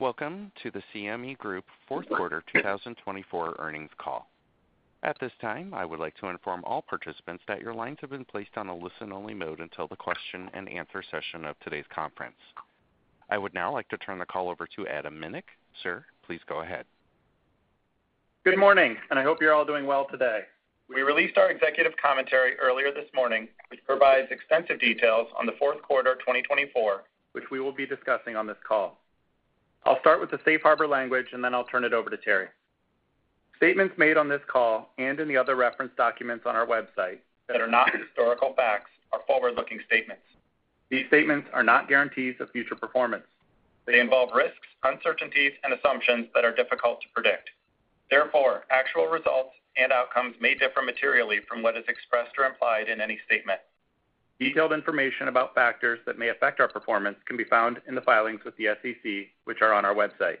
Welcome to the CME Group Fourth Quarter 2024 Earnings Call. At this time, I would like to inform all participants that your lines have been placed on a listen-only mode until the Q&A session of today's conference. I would now like to turn the call over to Adam Minick. Sir, please go ahead. Good morning, and I hope you're all doing well today. We released our executive commentary earlier this morning, which provides extensive details on the fourth quarter 2024, which we will be discussing on this call. I'll start with the safe harbor language, and then I'll turn it over to Terry. Statements made on this call and in the other reference documents on our website that are not historical facts are forward-looking statements. These statements are not guarantees of future performance. They involve risks, uncertainties, and assumptions that are difficult to predict. Therefore, actual results and outcomes may differ materially from what is expressed or implied in any statement. Detailed information about factors that may affect our performance can be found in the filings with the SEC, which are on our website.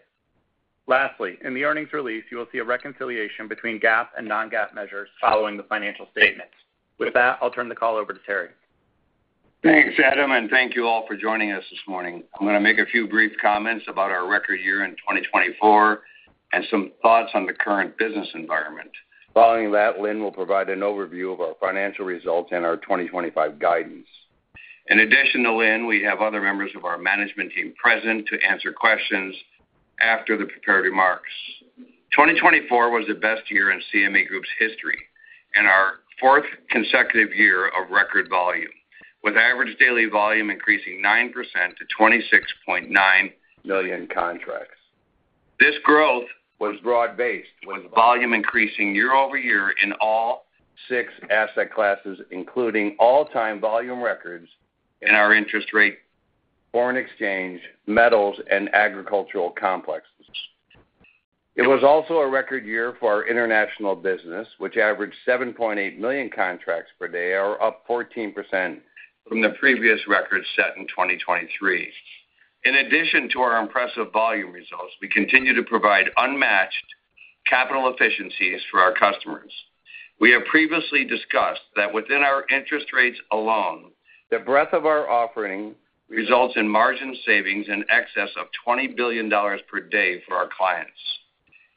Lastly, in the earnings release, you will see a reconciliation between GAAP and non-GAAP measures following the financial statements. With that, I'll turn the call over to Terry. Thanks, Adam, and thank you all for joining us this morning. I'm going to make a few brief comments about our record year in 2024 and some thoughts on the current business environment. Following that, Lynne will provide an overview of our financial results and our 2025 guidance. In addition to Lynne, we have other members of our management team present to answer questions after the prepared remarks. 2024 was the best year in CME Group's history and our fourth consecutive year of record volume, with average daily volume increasing 9% to 26.9 million contracts. This growth was broad-based, with volume increasing year-over-year in all six asset classes, including all-time volume records in our interest rate, foreign exchange, metals, and agricultural complexes. It was also a record year for our international business, which averaged 7.8 million contracts per day, or up 14% from the previous record set in 2023. In addition to our impressive volume results, we continue to provide unmatched capital efficiencies for our customers. We have previously discussed that within our interest rates alone, the breadth of our offering results in margin savings in excess of $20 billion per day for our clients.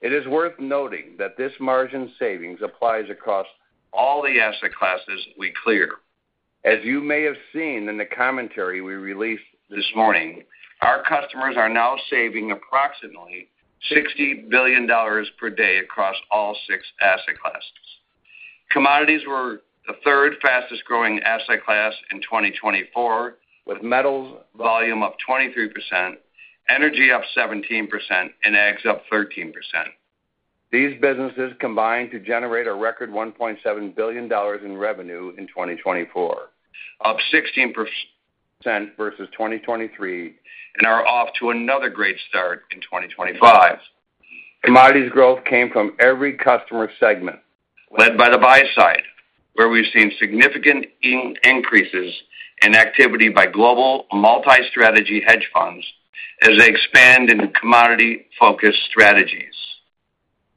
It is worth noting that this margin savings applies across all the asset classes we clear. As you may have seen in the commentary we released this morning, our customers are now saving approximately $60 billion per day across all six asset classes. Commodities were the third fastest-growing asset class in 2024, with metals volume up 23%, energy up 17%, and ags up 13%. These businesses combined to generate a record $1.7 billion in revenue in 2024, up 16% versus 2023, and are off to another great start in 2025. Commodities growth came from every customer segment, led by the buy side, where we've seen significant increases in activity by global multi-strategy hedge funds as they expand into commodity-focused strategies.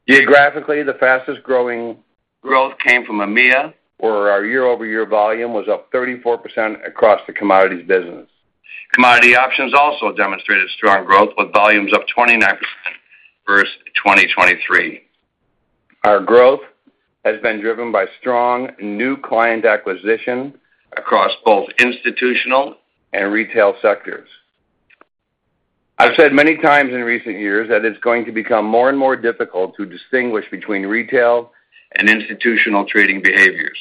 Geographically, the fastest-growing growth came from EMEA, where our year-over-year volume was up 34% across the commodities business. Commodity options also demonstrated strong growth, with volumes up 29% versus 2023. Our growth has been driven by strong new client acquisition across both institutional and retail sectors. I've said many times in recent years that it's going to become more and more difficult to distinguish between retail and institutional trading behaviors.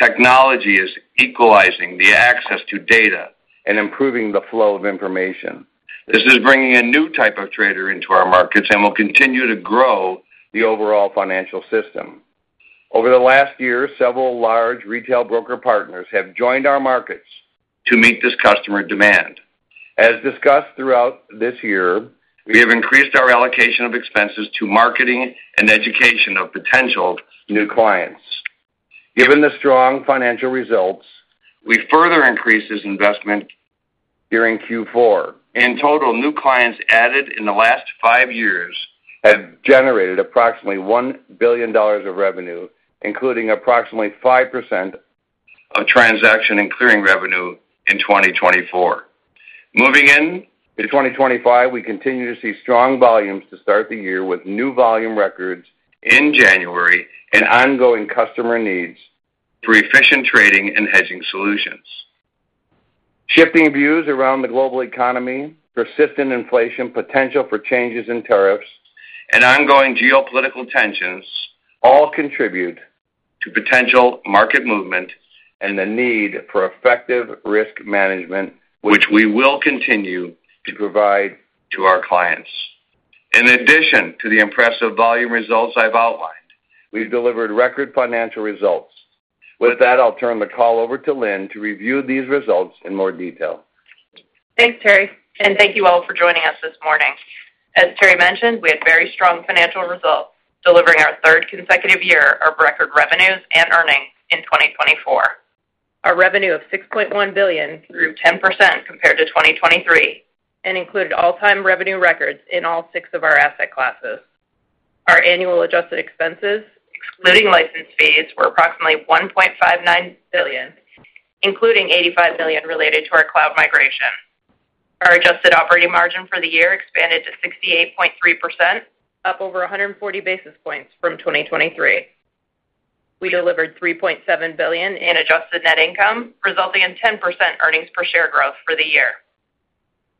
Technology is equalizing the access to data and improving the flow of information. This is bringing a new type of trader into our markets and will continue to grow the overall financial system. Over the last year, several large retail broker partners have joined our markets to meet this customer demand. As discussed throughout this year, we have increased our allocation of expenses to marketing and education of potential new clients. Given the strong financial results, we further increased this investment during Q4. In total, new clients added in the last five years have generated approximately $1 billion of revenue, including approximately 5% of transaction and clearing revenue in 2024. Moving into 2025, we continue to see strong volumes to start the year with new volume records in January and ongoing customer needs for efficient trading and hedging solutions. Shifting views around the global economy, persistent inflation, potential for changes in tariffs, and ongoing geopolitical tensions all contribute to potential market movement and the need for effective risk management, which we will continue to provide to our clients. In addition to the impressive volume results I've outlined, we've delivered record financial results. With that, I'll turn the call over to Lynne to review these results in more detail. Thanks, Terry, and thank you all for joining us this morning. As Terry mentioned, we had very strong financial results, delivering our third consecutive year of record revenues and earnings in 2024. Our revenue of $6.1 billion grew 10% compared to 2023 and included all-time revenue records in all six of our asset classes. Our annual adjusted expenses, excluding license fees, were approximately $1.59 billion, including $85 million related to our cloud migration. Our adjusted operating margin for the year expanded to 68.3%, up over 140 basis points from 2023. We delivered $3.7 billion in adjusted net income, resulting in 10% earnings per share growth for the year.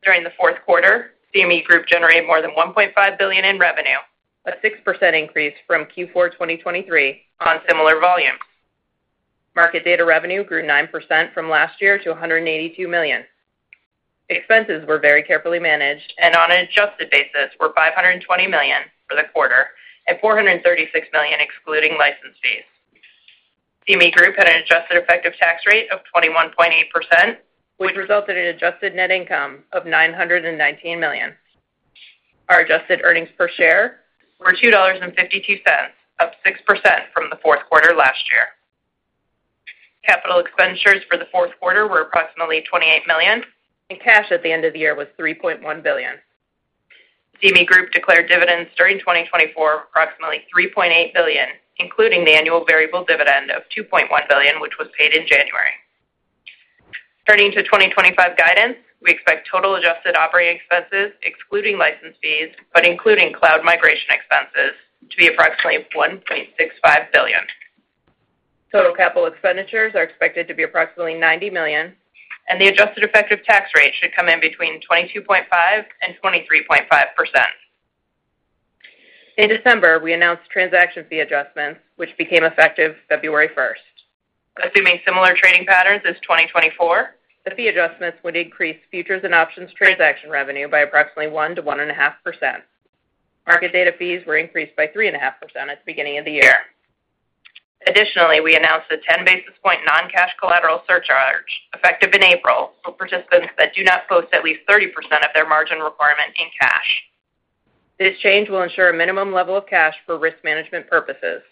During the fourth quarter, CME Group generated more than $1.5 billion in revenue, a 6% increase from Q4 2023 on similar volumes. Market data revenue grew 9% from last year to $182 million. Expenses were very carefully managed and, on an adjusted basis, were $520 million for the quarter and $436 million, excluding license fees. CME Group had an adjusted effective tax rate of 21.8%, which resulted in adjusted net income of $919 million. Our adjusted earnings per share were $2.52, up 6% from the fourth quarter last year. Capital expenditures for the fourth quarter were approximately $28 million, and cash at the end of the year was $3.1 billion. CME Group declared dividends during 2024 of approximately $3.8 billion, including the annual variable dividend of $2.1 billion, which was paid in January. Turning to 2025 guidance, we expect total adjusted operating expenses, excluding license fees but including cloud migration expenses, to be approximately $1.65 billion. Total capital expenditures are expected to be approximately $90 million, and the adjusted effective tax rate should come in between 22.5%-23.5%. In December, we announced transaction fee adjustments, which became effective February 1st. Assuming similar trading patterns as 2024, the fee adjustments would increase futures and options transaction revenue by approximately 1%-1.5%. Market data fees were increased by 3.5% at the beginning of the year. Additionally, we announced a 10 basis point non-cash collateral surcharge effective in April for participants that do not post at least 30% of their margin requirement in cash. This change will ensure a minimum level of cash for risk management purposes.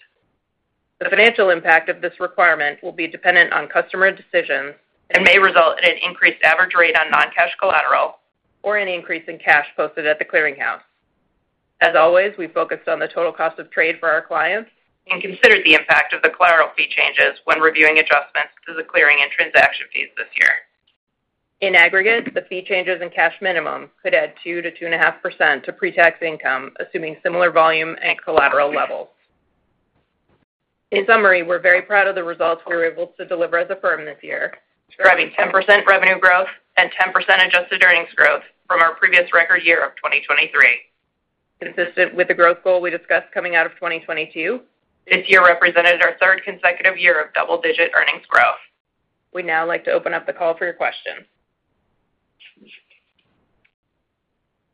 The financial impact of this requirement will be dependent on customer decisions and may result in an increased average rate on non-cash collateral or an increase in cash posted at the clearinghouse. As always, we focused on the total cost of trade for our clients and considered the impact of the collateral fee changes when reviewing adjustments to the clearing and transaction fees this year.In aggregate, the fee changes and cash minimum could add 2%-2.5% to pre-tax income, assuming similar volume and collateral levels. In summary, we're very proud of the results we were able to deliver as a firm this year, driving 10% revenue growth and 10% adjusted earnings growth from our previous record year of 2023. Consistent with the growth goal we discussed coming out of 2022, this year represented our third consecutive year of double-digit earnings growth. We'd now like to open up the call for your questions.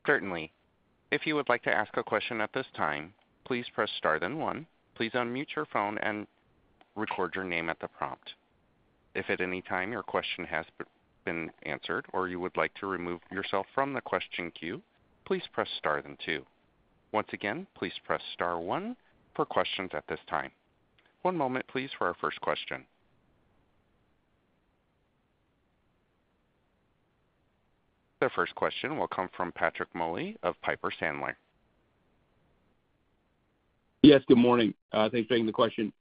Certainly. If you would like to ask a question at this time, please press star then one. Please unmute your phone and record your name at the prompt. If at any time your question has been answered or you would like to remove yourself from the question queue, please press star then two. Once again, please press star one for questions at this time. One moment, please, for our first question. The first question will come from Patrick Moley of Piper Sandler. Yes, good morning. Thanks for taking the question.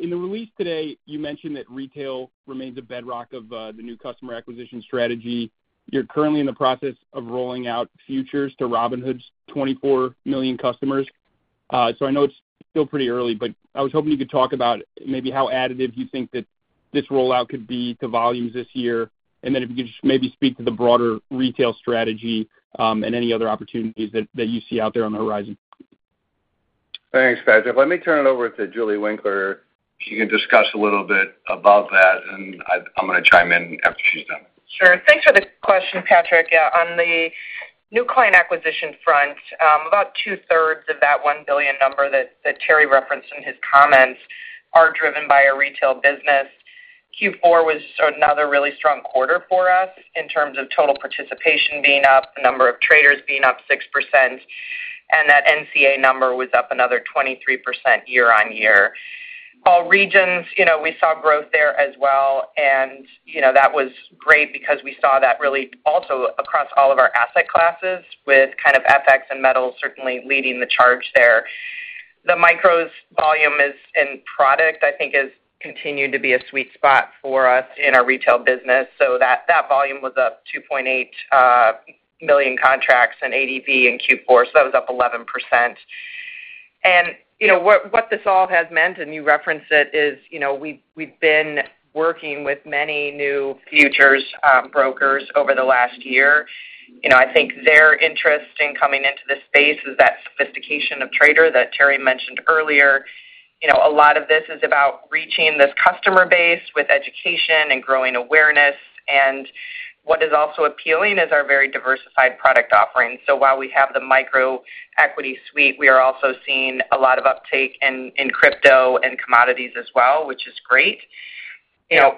In the release today, you mentioned that retail remains a bedrock of the new customer acquisition strategy. You're currently in the process of rolling out futures to Robinhood's 24 million customers. So I know it's still pretty early, but I was hoping you could talk about maybe how additive you think that this rollout could be to volumes this year, and then if you could just maybe speak to the broader retail strategy and any other opportunities that you see out there on the horizon. Thanks, Patrick. Let me turn it over to Julie Winkler. She can discuss a little bit about that, and I'm going to chime in after she's done. Sure. Thanks for the question, Patrick. On the new client acquisition front, about two-thirds of that $1 billion number that Terry referenced in his comments are driven by a retail business. Q4 was another really strong quarter for us in terms of total participation being up, the number of traders being up 6%, and that NCA number was up another 23% year-on-year. All regions, we saw growth there as well, and that was great because we saw that really also across all of our asset classes, with kind of FX and metals certainly leading the charge there. The micros volume in product, I think, has continued to be a sweet spot for us in our retail business. So that volume was up 2.8 million contracts in ADV in Q4, so that was up 11%. And what this all has meant, and you referenced it, is we've been working with many new futures brokers over the last year. I think their interest in coming into this space is that sophistication of trader that Terry mentioned earlier. A lot of this is about reaching this customer base with education and growing awareness. And what is also appealing is our very diversified product offering. So while we have the Micro equity suite, we are also seeing a lot of uptake in crypto and commodities as well, which is great.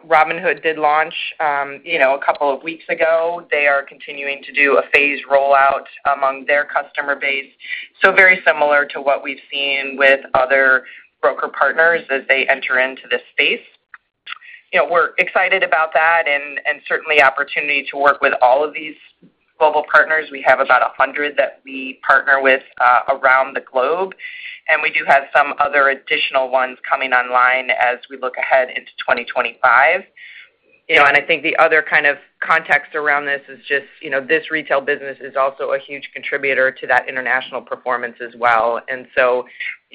Robinhood did launch a couple of weeks ago. They are continuing to do a phased rollout among their customer base. So very similar to what we've seen with other broker partners as they enter into this space. We're excited about that and certainly an opportunity to work with all of these global partners. We have about 100 that we partner with around the globe, and we do have some other additional ones coming online as we look ahead into 2025. And I think the other kind of context around this is just this retail business is also a huge contributor to that international performance as well. And so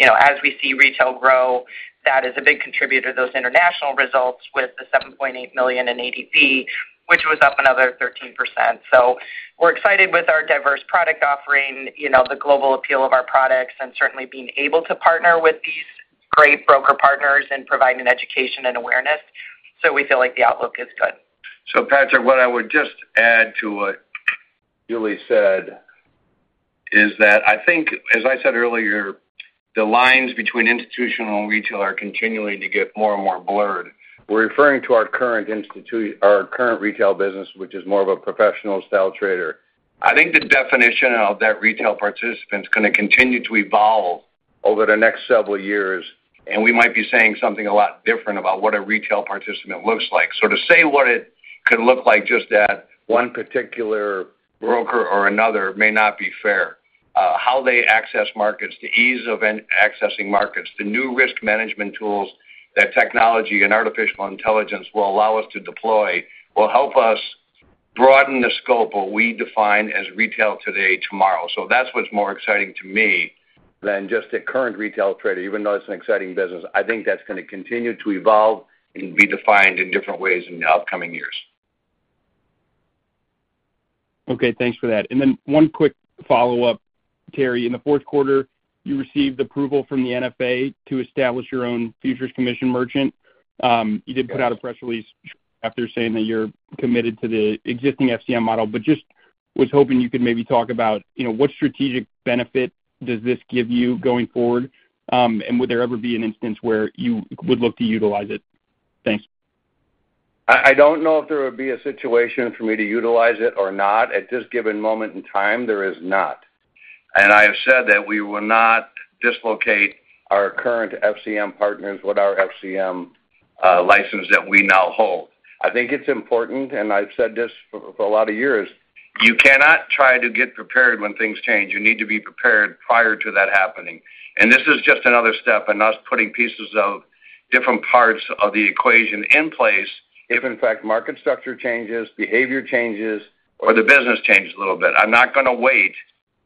as we see retail grow, that is a big contributor to those international results with the 7.8 million in ADV, which was up another 13%. So we're excited with our diverse product offering, the global appeal of our products, and certainly being able to partner with these great broker partners and providing education and awareness. So we feel like the outlook is good. So Patrick, what I would just add to what Julie said is that I think, as I said earlier, the lines between institutional and retail are continuing to get more and more blurred. We're referring to our current retail business, which is more of a professional-style trader. I think the definition of that retail participant is going to continue to evolve over the next several years, and we might be saying something a lot different about what a retail participant looks like. So to say what it could look like just at one particular broker or another may not be fair. How they access markets, the ease of accessing markets, the new risk management tools that technology and artificial intelligence will allow us to deploy will help us broaden the scope of what we define as retail today, tomorrow. So that's what's more exciting to me than just a current retail trader, even though it's an exciting business. I think that's going to continue to evolve and be defined in different ways in the upcoming years. Okay. Thanks for that. And then one quick follow-up, Terry. In the fourth quarter, you received approval from the NFA to establish your own futures commission merchant. You did put out a press release after saying that you're committed to the existing FCM model, but just was hoping you could maybe talk about what strategic benefit does this give you going forward, and would there ever be an instance where you would look to utilize it? Thanks. I don't know if there would be a situation for me to utilize it or not. At this given moment in time, there is not. And I have said that we will not dislocate our current FCM partners with our FCM license that we now hold. I think it's important, and I've said this for a lot of years, you cannot try to get prepared when things change. You need to be prepared prior to that happening. And this is just another step in us putting pieces of different parts of the equation in place if, in fact, market structure changes, behavior changes, or the business changes a little bit. I'm not going to wait,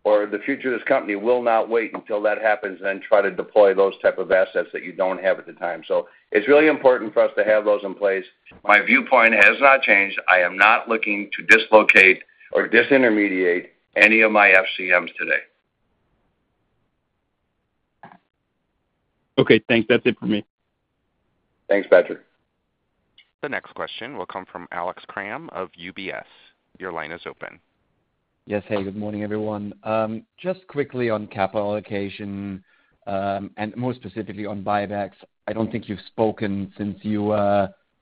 or the future of this company will not wait until that happens and then try to deploy those types of assets that you don't have at the time. So it's really important for us to have those in place. My viewpoint has not changed. I am not looking to dislocate or disintermediate any of my FCMs today. Okay. Thanks. That's it for me. Thanks, Patrick. The next question will come from Alex Kramm of UBS. Your line is open. Yes. Hey, good morning, everyone. Just quickly on capital allocation and more specifically on buybacks. I don't think you've spoken since you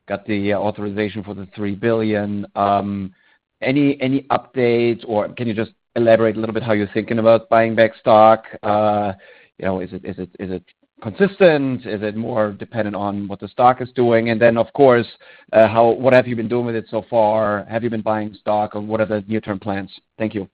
got the authorization for the $3 billion. Any updates, or can you just elaborate a little bit how you're thinking about buying back stock? Is it consistent? Is it more dependent on what the stock is doing? And then, of course, what have you been doing with it so far? Have you been buying stock, or what are the near-term plans? Thank you.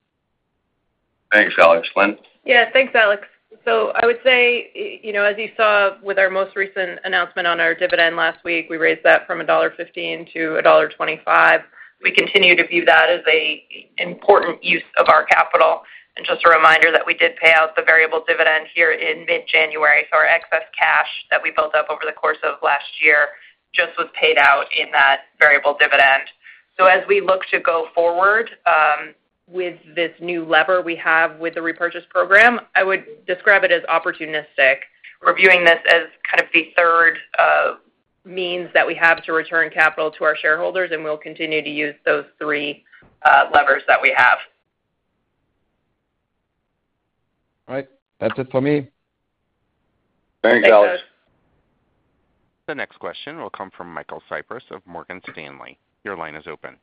Thanks, Alex. Lynne? Yeah. Thanks, Alex. So I would say, as you saw with our most recent announcement on our dividend last week, we raised that from $1.15 to $1.25. We continue to view that as an important use of our capital. And just a reminder that we did pay out the variable dividend here in mid-January. So our excess cash that we built up over the course of last year just was paid out in that variable dividend. So as we look to go forward with this new lever we have with the repurchase program, I would describe it as opportunistic, reviewing this as kind of the third means that we have to return capital to our shareholders, and we'll continue to use those three levers that we have. All right. That's it for me. Thanks, Alex. The next question will come from Michael Cyprys of Morgan Stanley. Your line is open.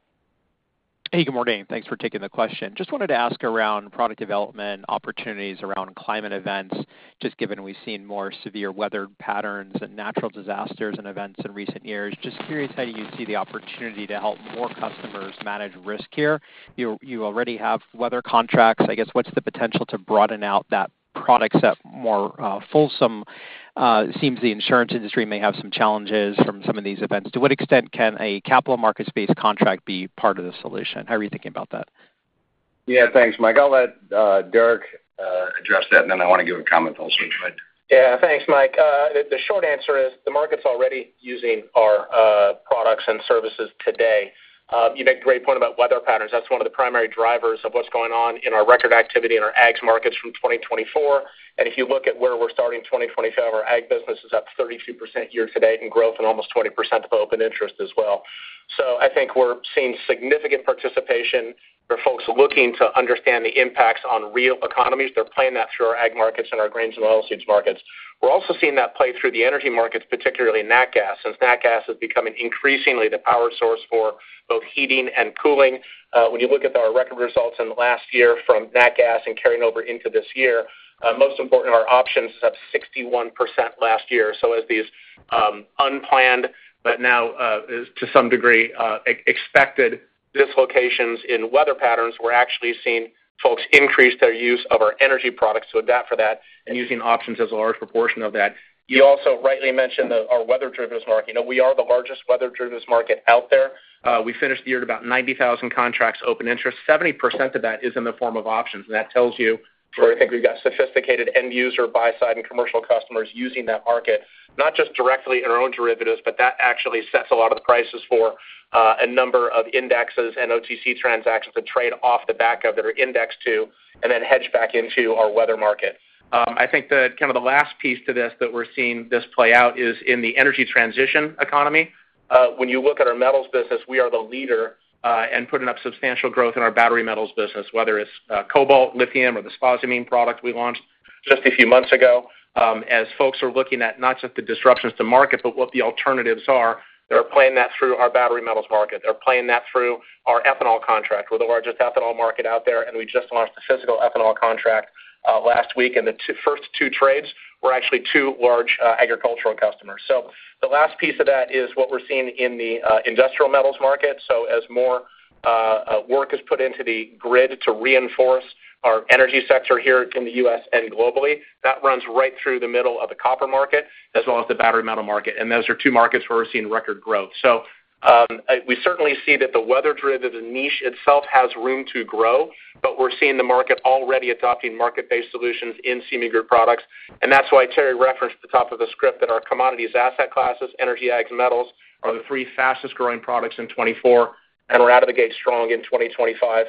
Hey, good morning. Thanks for taking the question. Just wanted to ask around product development opportunities around climate events, just given we've seen more severe weather patterns and natural disasters and events in recent years. Just curious how you see the opportunity to help more customers manage risk here. You already have weather contracts. I guess what's the potential to broaden out that product set more fulsome? It seems the insurance industry may have some challenges from some of these events. To what extent can a capital markets-based contract be part of the solution? How are you thinking about that? Yeah. Thanks, Mike. I'll let Derek address that, and then I want to give a comment also. But. Yeah. Thanks, Mike. The short answer is the market's already using our products and services today. You make a great point about weather patterns. That's one of the primary drivers of what's going on in our record activity in our ag markets from 2024. And if you look at where we're starting 2025, our ag business is up 32% year-to-date in growth and almost 20% of open interest as well. So I think we're seeing significant participation. There are folks looking to understand the impacts on real economies. They're playing that through our ag markets and our grains and oilseeds markets. We're also seeing that play through the energy markets, particularly natural gas, since natural gas is becoming increasingly the power source for both heating and cooling. When you look at our record results in the last year from natural gas and carrying over into this year, most importantly, our options is up 61% last year. So as these unplanned, but now to some degree expected dislocations in weather patterns, we're actually seeing folks increase their use of our energy products to adapt for that and using options as a large proportion of that. You also rightly mentioned our weather-driven market. We are the largest weather-driven market out there. We finished the year at about 90,000 contracts open interest. 70% of that is in the form of options. And that tells you we've got sophisticated end-user buy-side and commercial customers using that market, not just directly in our own derivatives, but that actually sets a lot of the prices for a number of indexes and OTC transactions to trade off the back of that are indexed to and then hedge back into our weather market. I think that kind of the last piece to this that we're seeing this play out is in the energy transition economy. When you look at our metals business, we are the leader in putting up substantial growth in our battery metals business, whether it's cobalt, lithium, or the spodumene product we launched just a few months ago. As folks are looking at not just the disruptions to market, but what the alternatives are, they're playing that through our battery metals market. They're playing that through our ethanol contract, where the largest ethanol market out there. We just launched the physical ethanol contract last week. The first two trades were actually two large agricultural customers. The last piece of that is what we're seeing in the industrial metals market. As more work is put into the grid to reinforce our energy sector here in the U.S. and globally, that runs right through the middle of the copper market as well as the battery metals market. Those are two markets where we're seeing record growth. We certainly see that the weather-driven niche itself has room to grow, but we're seeing the market already adopting market-based solutions in CME Group products. That's why Terry referenced at the top of the script that our commodities asset classes, energy, ags, and metals are the three fastest-growing products in 2024, and we're out of the gate strong in 2025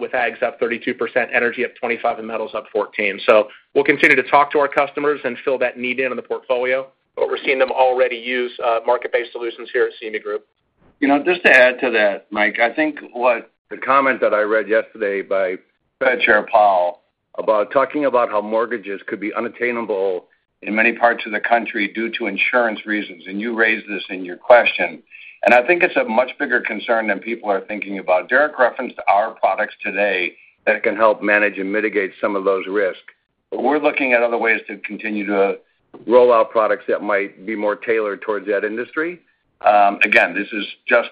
with ags up 32%, energy up 25%, and metals up 14%. We'll continue to talk to our customers and fill that need in the portfolio, but we're seeing them already use market-based solutions here at CME Group. Just to add to that, Mike, I think the comment that I read yesterday by Fed Chair Powell about talking about how mortgages could be unattainable in many parts of the country due to insurance reasons, and you raised this in your question. I think it's a much bigger concern than people are thinking about. Derek referenced our products today that can help manage and mitigate some of those risks, but we're looking at other ways to continue to roll out products that might be more tailored towards that industry. Again, this is just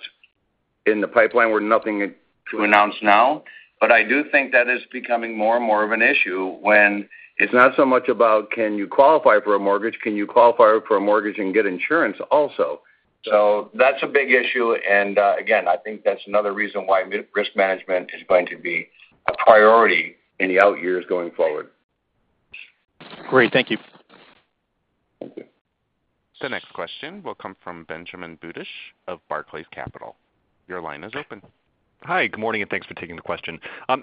in the pipeline. We're nothing to announce now, but I do think that is becoming more and more of an issue when it's not so much about can you qualify for a mortgage, can you qualify for a mortgage and get insurance also. So that's a big issue. And again, I think that's another reason why risk management is going to be a priority in the out years going forward. Great. Thank you. Thank you. The next question will come from Benjamin Budish of Barclays Capital. Your line is open. Hi. Good morning, and thanks for taking the question.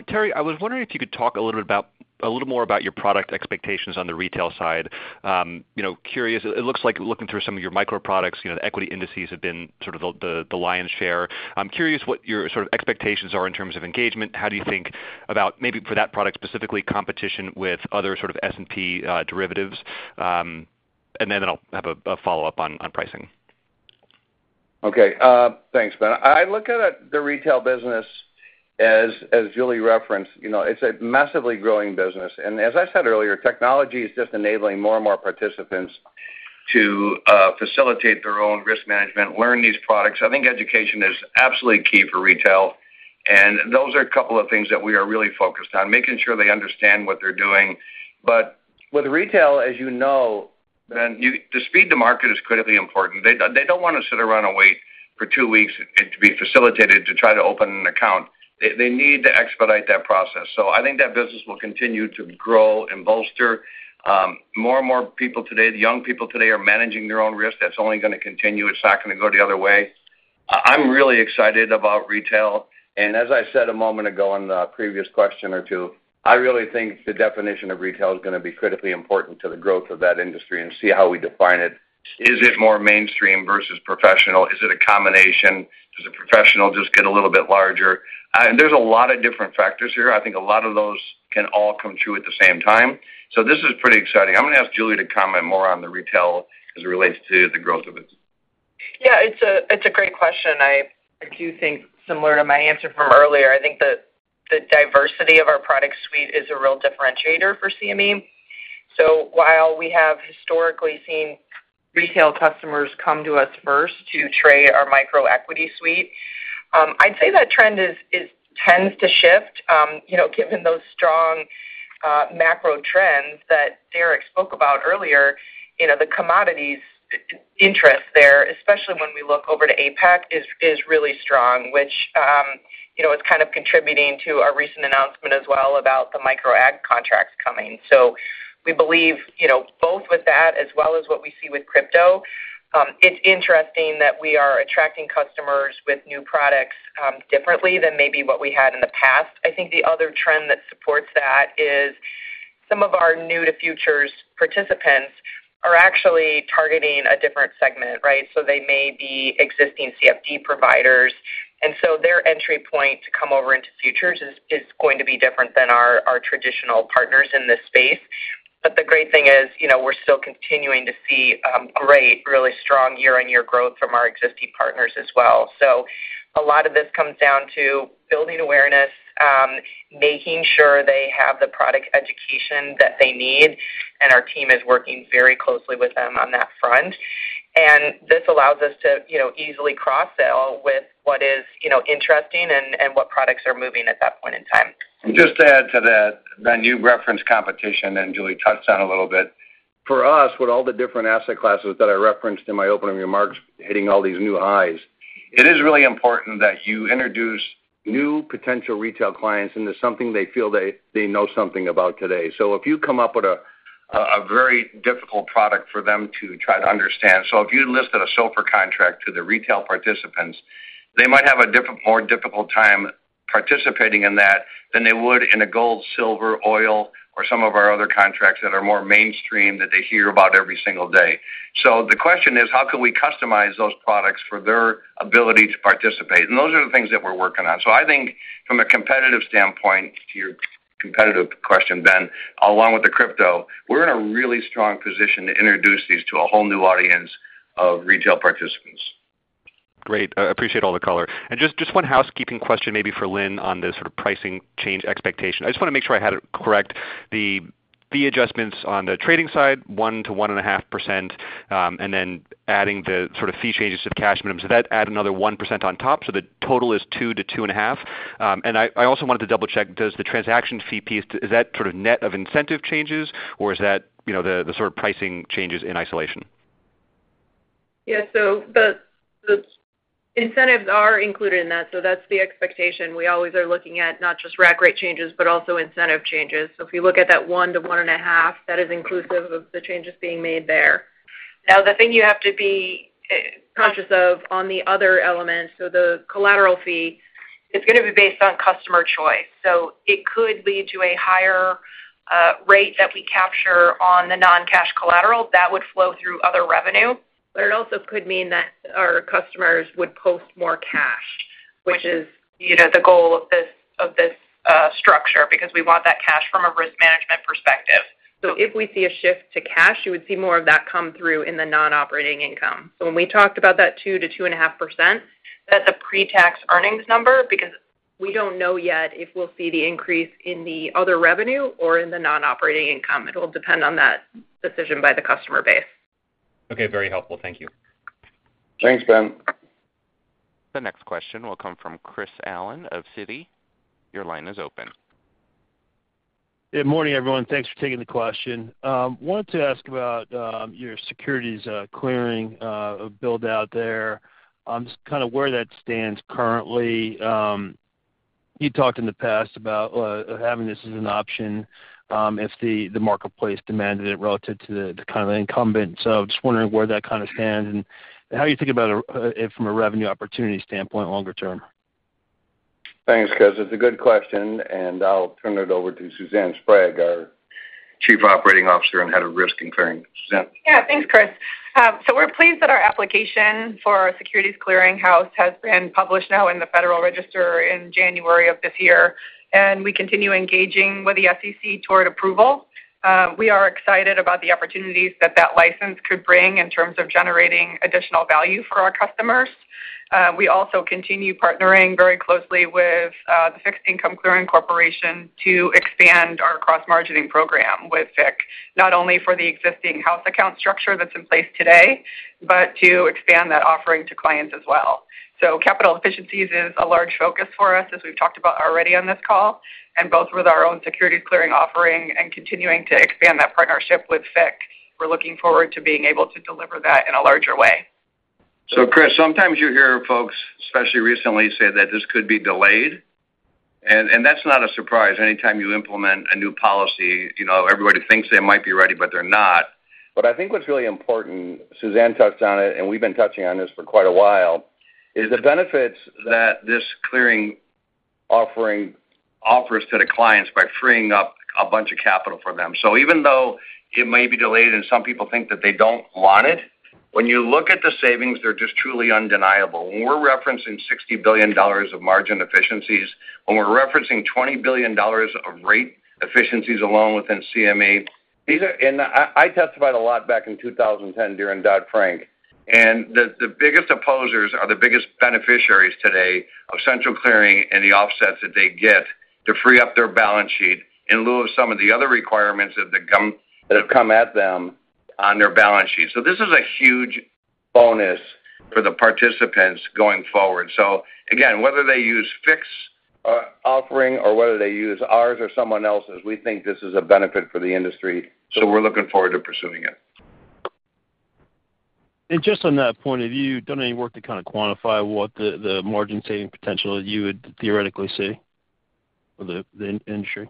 Terry, I was wondering if you could talk a little bit about a little more about your product expectations on the retail side. Curious. It looks like looking through some of your micro products, the equity indices have been sort of the lion's share. I'm curious what your sort of expectations are in terms of engagement. How do you think about maybe for that product specifically, competition with other sort of S&P derivatives? And then I'll have a follow-up on pricing. Okay. Thanks, Ben. I look at the retail business as Julie referenced. It's a massively growing business, and as I said earlier, technology is just enabling more and more participants to facilitate their own risk management, learn these products. I think education is absolutely key for retail, and those are a couple of things that we are really focused on, making sure they understand what they're doing. But with retail, as you know, Ben, the speed to market is critically important. They don't want to sit around and wait for two weeks to be facilitated to try to open an account. They need to expedite that process, so I think that business will continue to grow and bolster. More and more people today, the young people today, are managing their own risk. That's only going to continue. It's not going to go the other way. I'm really excited about retail. And as I said a moment ago in the previous question or two, I really think the definition of retail is going to be critically important to the growth of that industry and see how we define it. Is it more mainstream versus professional? Is it a combination? Does the professional just get a little bit larger? There's a lot of different factors here. I think a lot of those can all come true at the same time. So this is pretty exciting. I'm going to ask Julie to comment more on the retail as it relates to the growth of it. Yeah. It's a great question. I do think similar to my answer from earlier, I think that the diversity of our product suite is a real differentiator for CME. So while we have historically seen retail customers come to us first to trade our Micro equity suite, I'd say that trend tends to shift given those strong macro trends that Derek spoke about earlier. The commodities interest there, especially when we look over to APAC, is really strong, which is kind of contributing to our recent announcement as well about the Micro ag contracts coming. So we believe both with that as well as what we see with crypto. It's interesting that we are attracting customers with new products differently than maybe what we had in the past. I think the other trend that supports that is some of our new-to-futures participants are actually targeting a different segment, right? So they may be existing CFD providers. And so their entry point to come over into futures is going to be different than our traditional partners in this space. But the great thing is we're still continuing to see a great, really strong year-on-year growth from our existing partners as well. So a lot of this comes down to building awareness, making sure they have the product education that they need. And our team is working very closely with them on that front. And this allows us to easily cross-sell with what is interesting and what products are moving at that point in time. Just to add to that, that new reference competition, and Julie touched on a little bit. For us, with all the different asset classes that I referenced in my opening remarks hitting all these new highs, it is really important that you introduce new potential retail clients into something they feel they know something about today. So if you come up with a very difficult product for them to try to understand, so if you listed a silver contract to the retail participants, they might have a more difficult time participating in that than they would in a gold, silver, oil, or some of our other contracts that are more mainstream that they hear about every single day. So the question is, how can we customize those products for their ability to participate? And those are the things that we're working on. So I think from a competitive standpoint, to your competitive question, Ben, along with the crypto, we're in a really strong position to introduce these to a whole new audience of retail participants. Great. I appreciate all the color. And just one housekeeping question maybe for Lynne on the sort of pricing change expectation. I just want to make sure I had it correct. The fee adjustments on the trading side, 1%-1.5%, and then adding the sort of fee changes to the cash minimums, does that add another 1% on top? So the total is 2%-2.5%. And I also wanted to double-check, does the transaction fee piece, is that sort of net of incentive changes, or is that the sort of pricing changes in isolation? Yeah. So the incentives are included in that. So that's the expectation. We always are looking at not just rack rate changes, but also incentive changes. So if you look at that 1%-1.5%, that is inclusive of the changes being made there. Now, the thing you have to be conscious of on the other element, so the collateral fee, it's going to be based on customer choice. So it could lead to a higher rate that we capture on the non-cash collateral. That would flow through other revenue. But it also could mean that our customers would post more cash, which is the goal of this structure because we want that cash from a risk management perspective. So if we see a shift to cash, you would see more of that come through in the non-operating income. So when we talked about that 2%-2.5%, that's a pre-tax earnings number because we don't know yet if we'll see the increase in the other revenue or in the non-operating income. It will depend on that decision by the customer base. Okay. Very helpful. Thank you. Thanks, Ben. The next question will come from Chris Allen of Citi. Your line is open. Good morning, everyone. Thanks for taking the question. I wanted to ask about your securities clearing build-out there, just kind of where that stands currently. You talked in the past about having this as an option if the marketplace demanded it relative to the kind of incumbent. So I'm just wondering where that kind of stands and how you think about it from a revenue opportunity standpoint longer term? Thanks, Chris. It's a good question, and I'll turn it over to Suzanne Sprague, our Chief Operating Officer and Head of Risk and Clearing. Suzanne? Yeah. Thanks, Chris. So we're pleased that our application for our securities clearing house has been published now in the Federal Register in January of this year. And we continue engaging with the SEC toward approval. We are excited about the opportunities that that license could bring in terms of generating additional value for our customers. We also continue partnering very closely with the Fixed Income Clearing Corporation to expand our cross-margining program with FICC, not only for the existing house account structure that's in place today, but to expand that offering to clients as well. So capital efficiencies is a large focus for us, as we've talked about already on this call. And both with our own securities clearing offering and continuing to expand that partnership with FICC, we're looking forward to being able to deliver that in a larger way. So, Chris, sometimes you hear folks, especially recently, say that this could be delayed. And that's not a surprise. Anytime you implement a new policy, everybody thinks they might be ready, but they're not. But I think what's really important, Suzanne touched on it, and we've been touching on this for quite a while, is the benefits that this clearing offering offers to the clients by freeing up a bunch of capital for them. So even though it may be delayed and some people think that they don't want it, when you look at the savings, they're just truly undeniable. When we're referencing $60 billion of margin efficiencies, when we're referencing $20 billion of rate efficiencies alone within CME, and I testified a lot back in 2010 during Dodd-Frank, and the biggest opposers are the biggest beneficiaries today of central clearing and the offsets that they get to free up their balance sheet in lieu of some of the other requirements that have come at them on their balance sheet. So this is a huge bonus for the participants going forward. So, again, whether they use FICC's offering or whether they use ours or someone else's, we think this is a benefit for the industry. So we're looking forward to pursuing it. Just on that point of view, done any work to kind of quantify what the margin saving potential that you would theoretically see for the industry?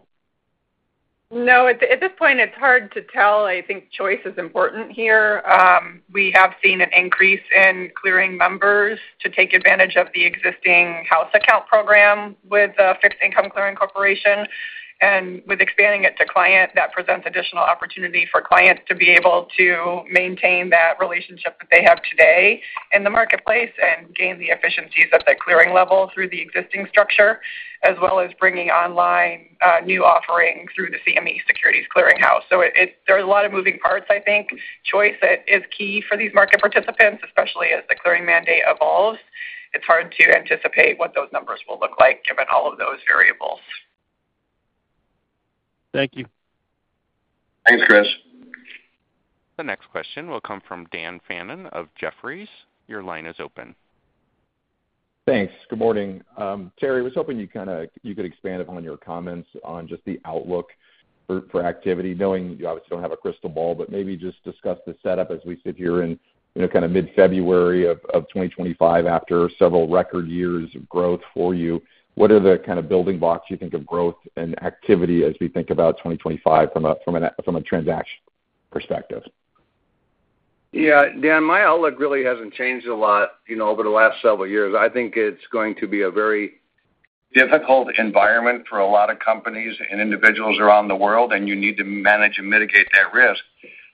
No. At this point, it's hard to tell. I think choice is important here. We have seen an increase in clearing members to take advantage of the existing house account program with Fixed Income Clearing Corporation, and with expanding it to client, that presents additional opportunity for clients to be able to maintain that relationship that they have today in the marketplace and gain the efficiencies at that clearing level through the existing structure, as well as bringing online new offerings through the CME Securities Clearing House, so there are a lot of moving parts, I think. Choice is key for these market participants, especially as the clearing mandate evolves. It's hard to anticipate what those numbers will look like given all of those variables. Thank you. Thanks, Chris. The next question will come from Dan Fannon of Jefferies. Your line is open. Thanks. Good morning. Terry, I was hoping you could expand upon your comments on just the outlook for activity, knowing you obviously don't have a crystal ball, but maybe just discuss the setup as we sit here in kind of mid-February of 2025 after several record years of growth for you. What are the kind of building blocks you think of growth and activity as we think about 2025 from a transaction perspective? Yeah. Dan, my outlook really hasn't changed a lot over the last several years. I think it's going to be a very difficult environment for a lot of companies and individuals around the world, and you need to manage and mitigate that risk.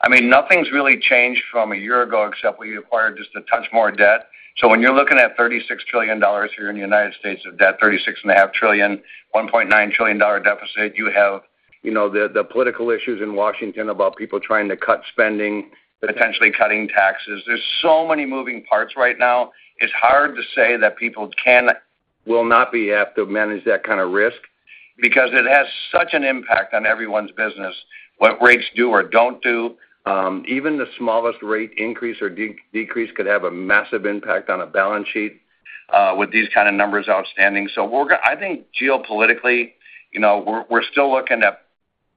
I mean, nothing's really changed from a year ago except we acquired just a touch more debt. So when you're looking at $36 trillion here in the United States of debt, 36.5 trillion, $1.9 trillion deficit, you have the political issues in Washington about people trying to cut spending, potentially cutting taxes. There's so many moving parts right now. It's hard to say that people can or will not be able to manage that kind of risk because it has such an impact on everyone's business, what rates do or don't do. Even the smallest rate increase or decrease could have a massive impact on a balance sheet with these kind of numbers outstanding. So I think geopolitically, we're still looking at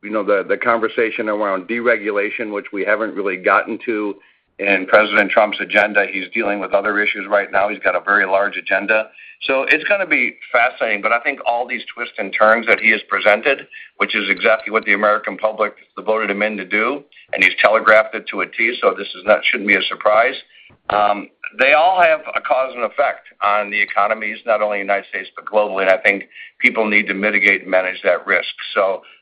the conversation around deregulation, which we haven't really gotten to. President Trump's agenda, he's dealing with other issues right now. He's got a very large agenda. It's going to be fascinating. I think all these twists and turns that he has presented, which is exactly what the American public voted him in to do, and he's telegraphed it to a tee, so this shouldn't be a surprise. They all have a cause and effect on the economies, not only the United States, but globally. I think people need to mitigate and manage that risk.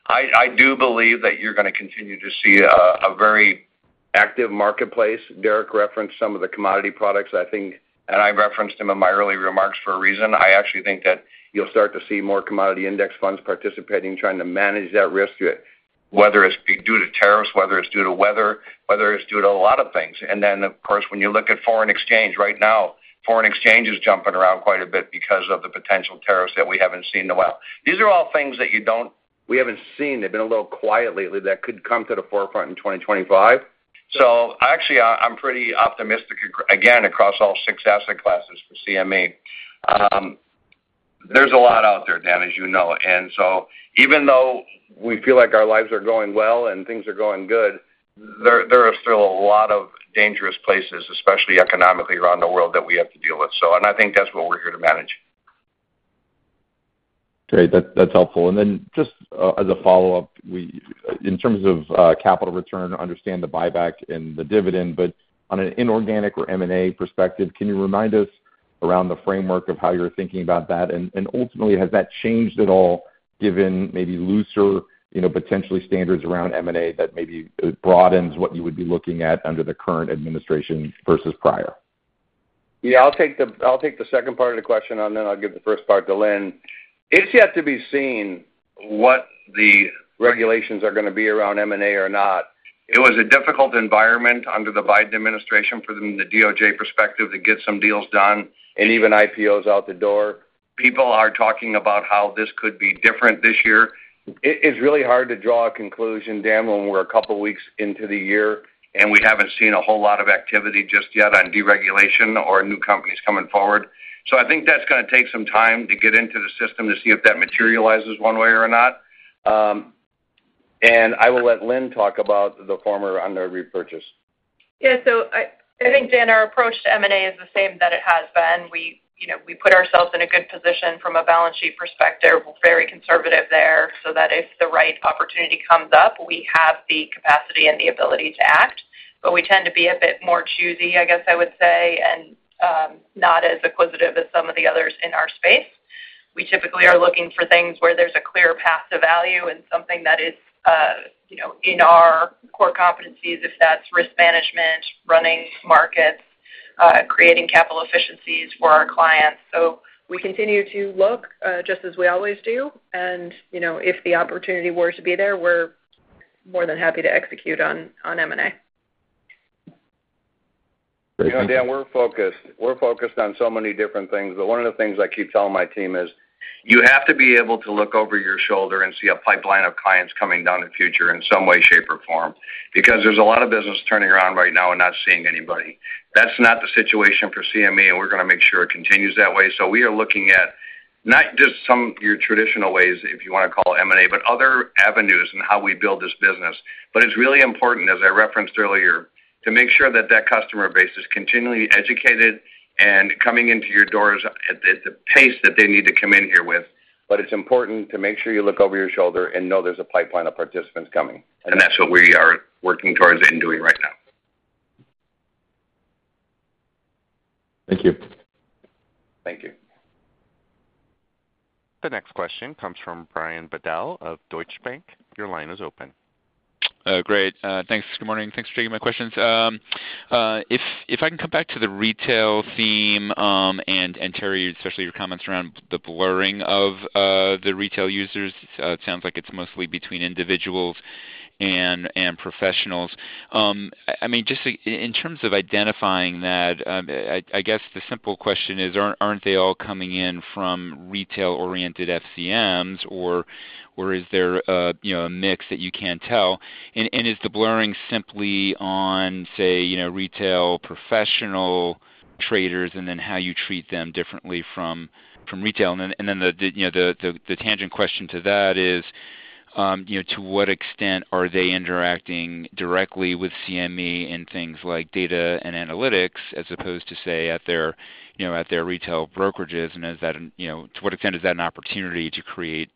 I do believe that you're going to continue to see a very active marketplace. Derek referenced some of the commodity products. I think, and I referenced him in my early remarks for a reason. I actually think that you'll start to see more commodity index funds participating, trying to manage that risk, whether it's due to tariffs, whether it's due to weather, whether it's due to a lot of things. And then, of course, when you look at foreign exchange right now, foreign exchange is jumping around quite a bit because of the potential tariffs that we haven't seen in a while. These are all things that we haven't seen. They've been a little quiet lately that could come to the forefront in 2025. So actually, I'm pretty optimistic, again, across all six asset classes for CME. There's a lot out there, Dan, as you know. And so even though we feel like our lives are going well and things are going good, there are still a lot of dangerous places, especially economically around the world, that we have to deal with. And I think that's what we're here to manage. Terry, that's helpful, and then just as a follow-up, in terms of capital return, understand the buyback and the dividend, but on an inorganic or M&A perspective, can you remind us around the framework of how you're thinking about that, and ultimately, has that changed at all given maybe looser, potentially standards around M&A that maybe broadens what you would be looking at under the current administration versus prior? Yeah. I'll take the second part of the question, and then I'll give the first part to Lynne. It's yet to be seen what the regulations are going to be around M&A or not. It was a difficult environment under the Biden administration for them, the DOJ perspective, to get some deals done and even IPOs out the door. People are talking about how this could be different this year. It's really hard to draw a conclusion, Dan, when we're a couple of weeks into the year and we haven't seen a whole lot of activity just yet on deregulation or new companies coming forward. So I think that's going to take some time to get into the system to see if that materializes one way or not. And I will let Lynne talk about the former under repurchase. Yeah. So I think, Dan, our approach to M&A is the same that it has been. We put ourselves in a good position from a balance sheet perspective. We're very conservative there so that if the right opportunity comes up, we have the capacity and the ability to act. But we tend to be a bit more choosy, I guess I would say, and not as acquisitive as some of the others in our space. We typically are looking for things where there's a clear path to value and something that is in our core competencies, if that's risk management, running markets, creating capital efficiencies for our clients. So we continue to look just as we always do. And if the opportunity were to be there, we're more than happy to execute on M&A. Dan, we're focused on so many different things. But one of the things I keep telling my team is you have to be able to look over your shoulder and see a pipeline of clients coming down the pike in some way, shape, or form because there's a lot of business turning around right now and not seeing anybody. That's not the situation for CME, and we're going to make sure it continues that way. So we are looking at not just some of your traditional ways, if you want to call it M&A, but other avenues in how we build this business. But it's really important, as I referenced earlier, to make sure that that customer base is continually educated and coming into your doors at the pace that they need to come in here with. But it's important to make sure you look over your shoulder and know there's a pipeline of participants coming. And that's what we are working towards and doing right now. Thank you. Thank you. The next question comes from Brian Bedell of Deutsche Bank. Your line is open. Great. Thanks. Good morning. Thanks for taking my questions. If I can come back to the retail theme and Terry, especially your comments around the blurring of the retail users, it sounds like it's mostly between individuals and professionals. I mean, just in terms of identifying that, I guess the simple question is, aren't they all coming in from retail-oriented FCMs, or is there a mix that you can't tell? And is the blurring simply on, say, retail professional traders, and then how you treat them differently from retail? And then the tangent question to that is, to what extent are they interacting directly with CME in things like data and analytics as opposed to, say, at their retail brokerages? And to what extent is that an opportunity to create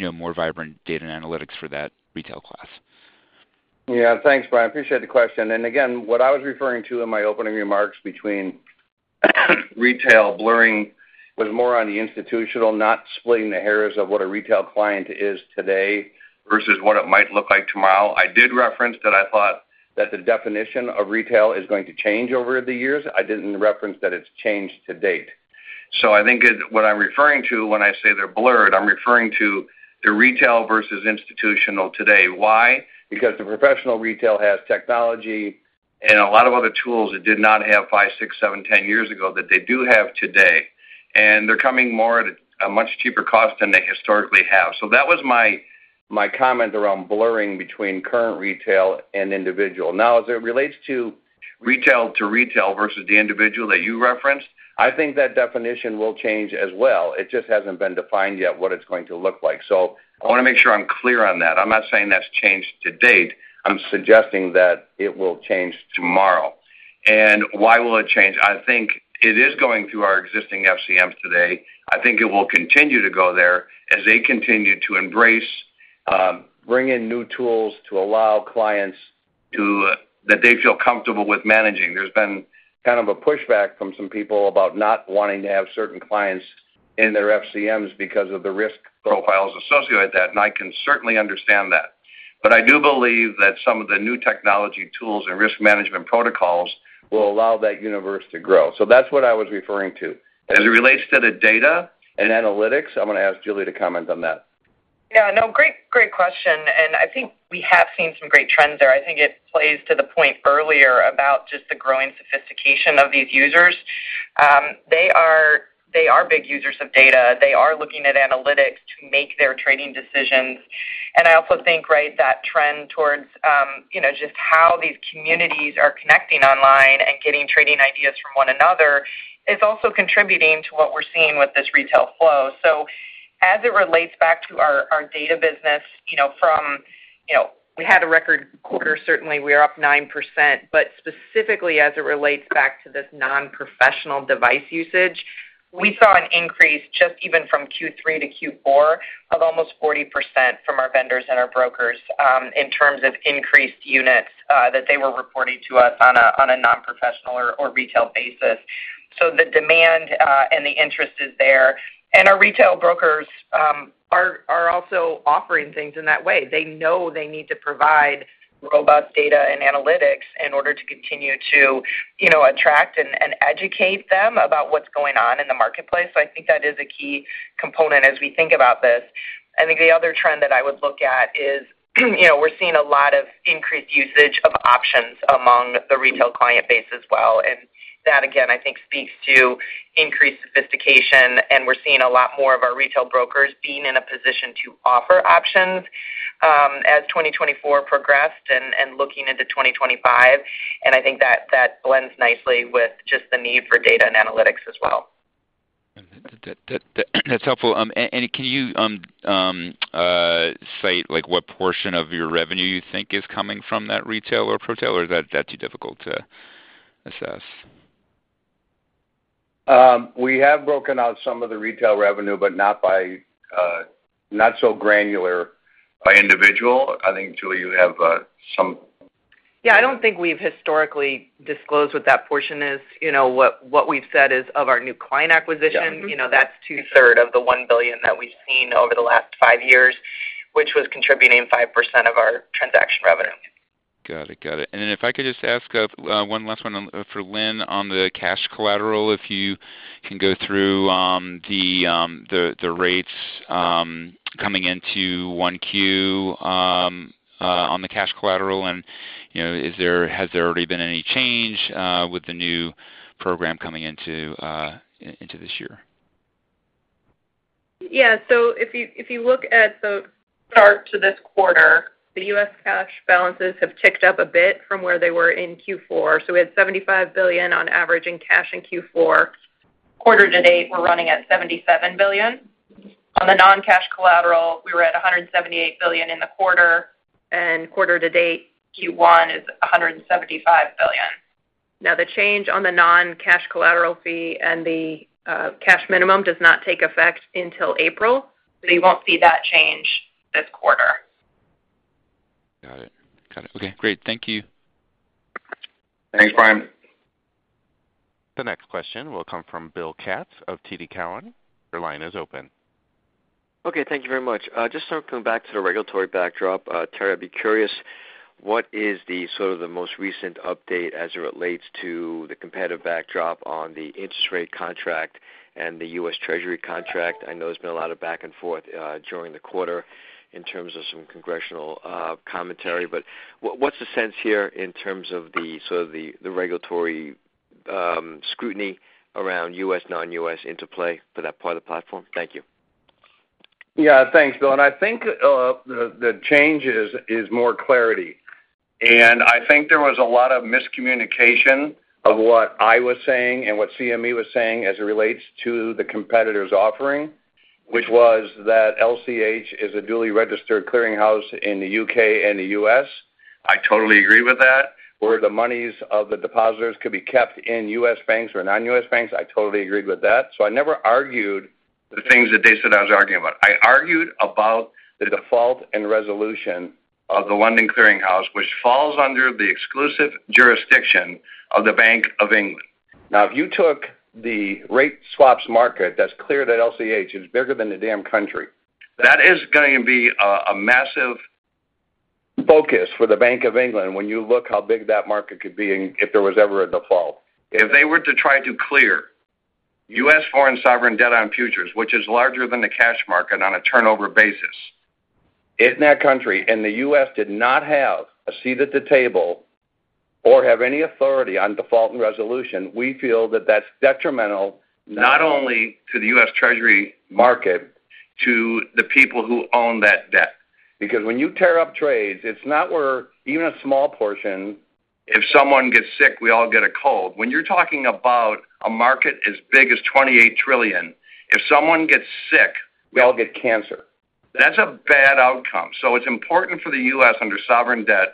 more vibrant data and analytics for that retail class? Yeah. Thanks, Brian. Appreciate the question. And again, what I was referring to in my opening remarks was the blurring between retail and institutional, not splitting hairs of what a retail client is today versus what it might look like tomorrow. I did reference that I thought that the definition of retail is going to change over the years. I didn't reference that it's changed to date. So I think what I'm referring to when I say they're blurred, I'm referring to the retail versus institutional today. Why? Because the professional retail has technology and a lot of other tools it did not have five, six, seven, 10 years ago that they do have today. And they're coming more at a much cheaper cost than they historically have. So that was my comment around blurring between current retail and individual. Now, as it relates to retail to retail versus the individual that you referenced, I think that definition will change as well. It just hasn't been defined yet what it's going to look like. So I want to make sure I'm clear on that. I'm not saying that's changed to date. I'm suggesting that it will change tomorrow. And why will it change? I think it is going through our existing FCMs today. I think it will continue to go there as they continue to embrace, bring in new tools to allow clients that they feel comfortable with managing. There's been kind of a pushback from some people about not wanting to have certain clients in their FCMs because of the risk profiles associated with that. And I can certainly understand that. But I do believe that some of the new technology tools and risk management protocols will allow that universe to grow. So that's what I was referring to. As it relates to the data and analytics, I'm going to ask Julie to comment on that. Yeah. No, great question. And I think we have seen some great trends there. I think it plays to the point earlier about just the growing sophistication of these users. They are big users of data. They are looking at analytics to make their trading decisions. And I also think, right, that trend towards just how these communities are connecting online and getting trading ideas from one another is also contributing to what we're seeing with this retail flow. So as it relates back to our data business, we had a record quarter, certainly we are up 9%. But specifically, as it relates back to this non-professional device usage, we saw an increase just even from Q3 to Q4 of almost 40% from our vendors and our brokers in terms of increased units that they were reporting to us on a non-professional or retail basis. So the demand and the interest is there, and our retail brokers are also offering things in that way. They know they need to provide robust data and analytics in order to continue to attract and educate them about what's going on in the marketplace, so I think that is a key component as we think about this. I think the other trend that I would look at is we're seeing a lot of increased usage of options among the retail client base as well, and that, again, I think speaks to increased sophistication, and we're seeing a lot more of our retail brokers being in a position to offer options as 2024 progressed and looking into 2025, and I think that blends nicely with just the need for data and analytics as well. That's helpful, and can you cite what portion of your revenue you think is coming from that retail or pro-tail, or is that too difficult to assess? We have broken out some of the retail revenue, but not so granular by individual. I think, Julie, you have some. Yeah. I don't think we've historically disclosed what that portion is. What we've said is of our new client acquisition. That's two-thirds of the $1 billion that we've seen over the last five years, which was contributing 5% of our transaction revenue. Got it. Got it, and then if I could just ask one last one for Lynne on the cash collateral, if you can go through the rates coming into Q1 on the cash collateral, and has there already been any change with the new program coming into this year? Yeah. So if you look at the start to this quarter, the U.S. cash balances have ticked up a bit from where they were in Q4. So we had $75 billion on average in cash in Q4. Quarter to date, we're running at $77 billion. On the non-cash collateral, we were at $178 billion in the quarter. And quarter to date, Q1 is $175 billion. Now, the change on the non-cash collateral fee and the cash minimum does not take effect until April. So you won't see that change this quarter. Got it. Got it. Okay. Great. Thank you. Thanks, Brian. The next question will come from Bill Katz of TD Cowen. Your line is open. Okay. Thank you very much. Just circling back to the regulatory backdrop, Terry, I'd be curious, what is sort of the most recent update as it relates to the competitive backdrop on the interest rate contract and the U.S. Treasury contract? I know there's been a lot of back and forth during the quarter in terms of some congressional commentary. But what's the sense here in terms of sort of the regulatory scrutiny around U.S., non-U.S. interplay for that part of the platform? Thank you. Yeah. Thanks, Bill. And I think the change is more clarity. And I think there was a lot of miscommunication of what I was saying and what CME was saying as it relates to the competitor's offering, which was that LCH is a duly registered clearing house in the U.K. and the U.S. I totally agree with that. Where the monies of the depositors could be kept in U.S. banks or non-U.S. banks, I totally agreed with that. So I never argued the things that they said I was arguing about. I argued about the default and resolution of the London Clearing House, which falls under the exclusive jurisdiction of the Bank of England. Now, if you took the rate swaps market that's cleared at LCH, it's bigger than the damn country. That is going to be a massive focus for the Bank of England when you look how big that market could be if there was ever a default. If they were to try to clear U.S. foreign sovereign debt on futures, which is larger than the cash market on a turnover basis, in that country, and the U.S. did not have a seat at the table or have any authority on default and resolution, we feel that that's detrimental not only to the U.S. Treasury market, to the people who own that debt. Because when you tear up trades, it's not where even a small portion, if someone gets sick, we all get a cold. When you're talking about a market as big as $28 trillion, if someone gets sick, we all get cancer. That's a bad outcome. So it's important for the U.S. under sovereign debt,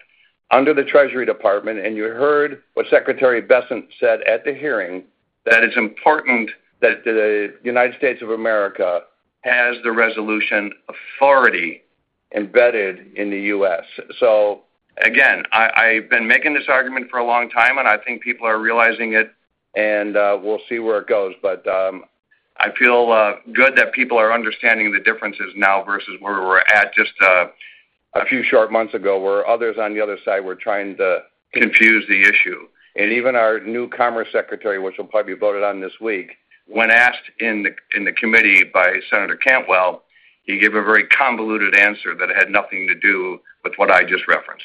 under the Treasury Department. And you heard what Secretary Bessent said at the hearing, that it's important that the United States of America has the resolution authority embedded in the U.S. So again, I've been making this argument for a long time, and I think people are realizing it, and we'll see where it goes. But I feel good that people are understanding the differences now versus where we were at just a few short months ago, where others on the other side were trying to confuse the issue. And even our new commerce secretary, which will probably be voted on this week, when asked in the committee by Senator Cantwell, he gave a very convoluted answer that had nothing to do with what I just referenced.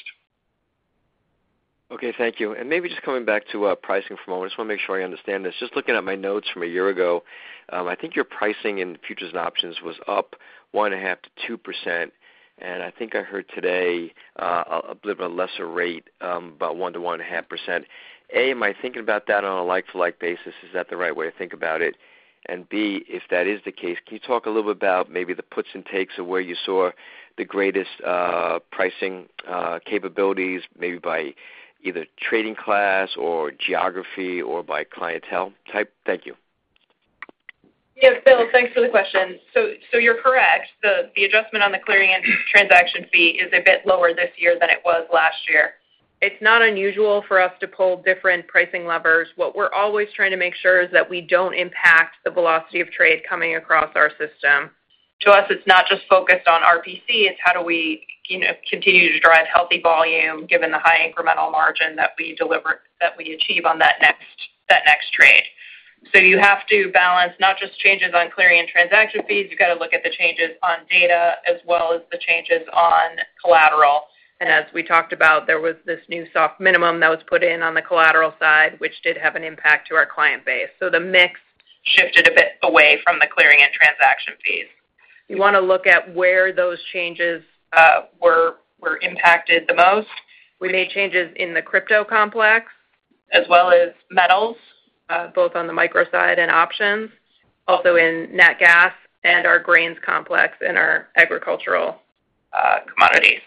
Okay. Thank you. And maybe just coming back to pricing for a moment, I just want to make sure I understand this. Just looking at my notes from a year ago, I think your pricing in futures and options was up 1.5%-2%. And I think I heard today a little bit lesser rate, about 1%-1.5%. A, am I thinking about that on a like-for-like basis? Is that the right way to think about it? And B, if that is the case, can you talk a little bit about maybe the puts and takes of where you saw the greatest pricing capabilities, maybe by either trading class or geography or by clientele type? Thank you. Yeah. Bill, thanks for the question. So you're correct. The adjustment on the clearing and transaction fee is a bit lower this year than it was last year. It's not unusual for us to pull different pricing levers. What we're always trying to make sure is that we don't impact the velocity of trade coming across our system. To us, it's not just focused on RPC. It's how do we continue to drive healthy volume given the high incremental margin that we achieve on that next trade. So you have to balance not just changes on clearing and transaction fees. You've got to look at the changes on data as well as the changes on collateral. And as we talked about, there was this new soft minimum that was put in on the collateral side, which did have an impact to our client base. So the mix shifted a bit away from the clearing and transaction fees. You want to look at where those changes were impacted the most. We made changes in the crypto complex as well as metals, both on the micro side and options, also in natural gas and our grains complex and our agricultural commodities.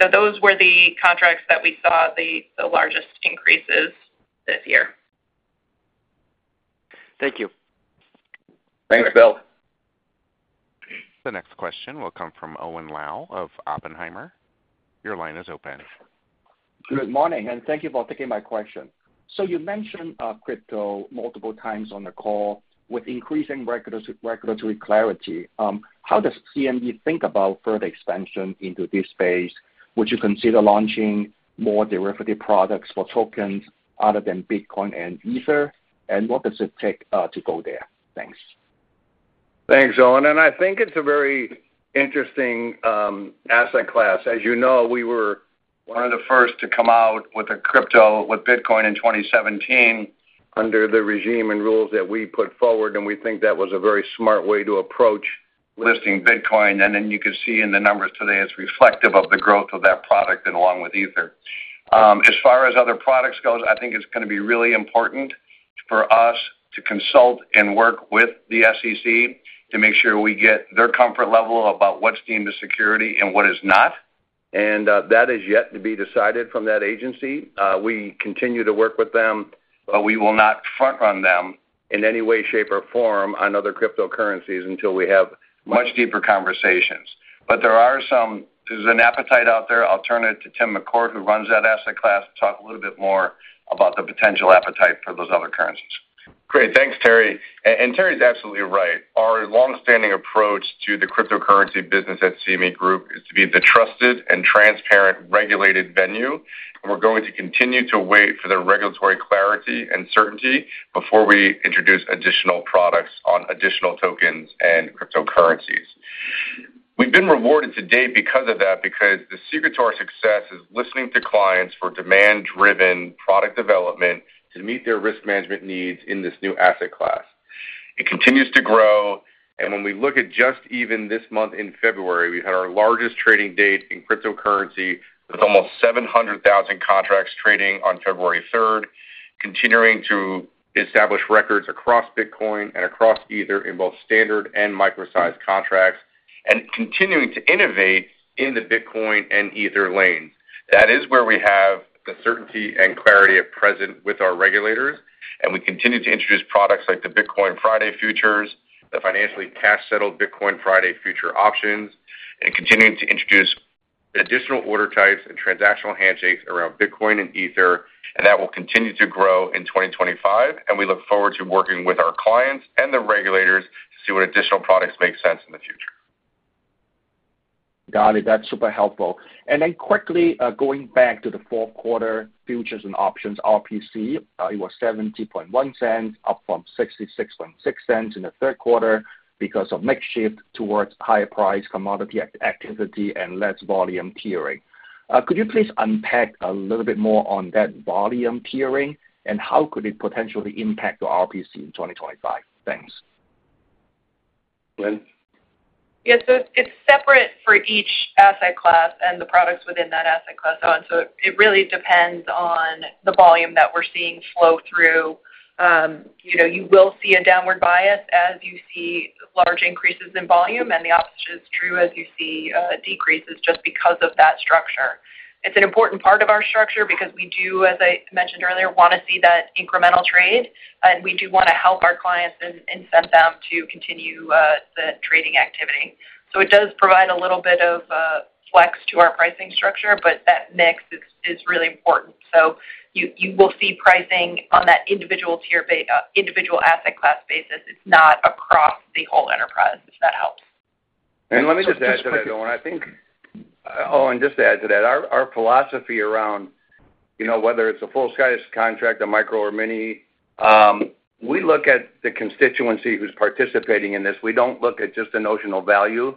So those were the contracts that we saw the largest increases this year. Thank you. Thanks, Bill. The next question will come from Owen Lau of Oppenheimer. Your line is open. Good morning. And thank you for taking my question. So you mentioned crypto multiple times on the call with increasing regulatory clarity. How does CME think about further expansion into this space? Would you consider launching more derivative products for tokens other than Bitcoin and Ether? And what does it take to go there? Thanks. Thanks, Owen. And I think it's a very interesting asset class. As you know, we were one of the first to come out with Bitcoin in 2017 under the regime and rules that we put forward. And we think that was a very smart way to approach listing Bitcoin. And then you can see in the numbers today it's reflective of the growth of that product and along with Ether. As far as other products go, I think it's going to be really important for us to consult and work with the SEC to make sure we get their comfort level about what's deemed a security and what is not. And that is yet to be decided from that agency. We continue to work with them, but we will not front-run them in any way, shape, or form on other cryptocurrencies until we have much deeper conversations. But there is an appetite out there. I'll turn it to Tim McCourt, who runs that asset class, to talk a little bit more about the potential appetite for those other currencies. Great. Thanks, Terry. And Terry is absolutely right. Our longstanding approach to the cryptocurrency business at CME Group is to be the trusted and transparent regulated venue. And we're going to continue to wait for the regulatory clarity and certainty before we introduce additional products on additional tokens and cryptocurrencies. We've been rewarded to date because of that because the secret to our success is listening to clients for demand-driven product development to meet their risk management needs in this new asset class. It continues to grow. When we look at just even this month in February, we had our largest trading date in cryptocurrency with almost 700,000 contracts trading on February 3rd, continuing to establish records across Bitcoin and across Ether in both standard and micro-sized contracts, and continuing to innovate in the Bitcoin and Ether lanes. That is where we have the certainty and clarity at present with our regulators. We continue to introduce products like the Bitcoin Friday futures, the financially cash-settled Bitcoin Friday future options, and continue to introduce additional order types and transactional handshakes around Bitcoin and Ether. That will continue to grow in 2025. We look forward to working with our clients and the regulators to see what additional products make sense in the future. Got it. That's super helpful. And then quickly going back to the fourth quarter futures and options, RPC, it was $0.701, up from $0.666 in the third quarter because of mix shift towards higher-priced commodity activity and less volume tiering. Could you please unpack a little bit more on that volume tiering and how could it potentially impact your RPC in 2025? Thanks. Lynne? Yeah. So it's separate for each asset class and the products within that asset class. And so it really depends on the volume that we're seeing flow through. You will see a downward bias as you see large increases in volume, and the opposite is true as you see decreases just because of that structure. It's an important part of our structure because we do, as I mentioned earlier, want to see that incremental trade. And we do want to help our clients and incent them to continue the trading activity. So it does provide a little bit of flex to our pricing structure, but that mix is really important. So you will see pricing on that individual tier base, individual asset class basis. It's not across the whole enterprise, if that helps. Let me just add to that, Owen. I think, Owen, just to add to that, our philosophy around whether it's a full-sized contract, a micro or mini, we look at the constituency who's participating in this. We don't look at just the notional value,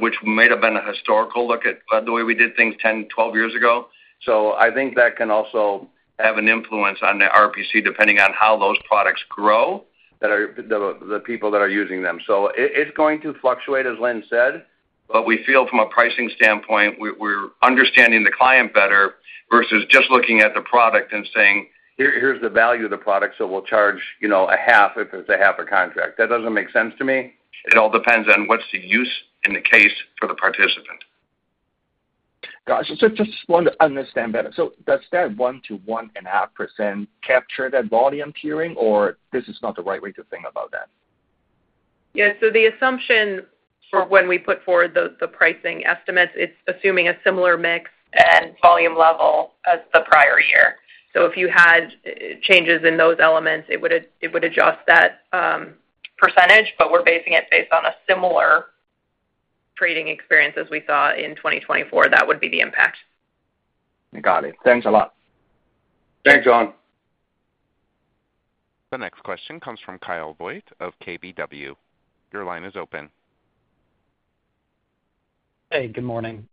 which may have been a historical look at the way we did things 10, 12 years ago. So I think that can also have an influence on the RPC depending on how those products grow, the people that are using them. So it's going to fluctuate, as Lynne said, but we feel from a pricing standpoint, we're understanding the client better versus just looking at the product and saying, "Here's the value of the product, so we'll charge a half if it's a half a contract." That doesn't make sense to me. It all depends on what's the use in the case for the participant. Just want to understand better. Does that 1%-1.5% capture that volume tiering, or this is not the right way to think about that? Yeah. So the assumption for when we put forward the pricing estimates, it's assuming a similar mix and volume level as the prior year. So if you had changes in those elements, it would adjust that percentage. But we're basing it based on a similar trading experience as we saw in 2024. That would be the impact. Got it. Thanks a lot. Thanks, Owen. The next question comes from Kyle Voigt of KBW. Your line is open. Hey, good morning.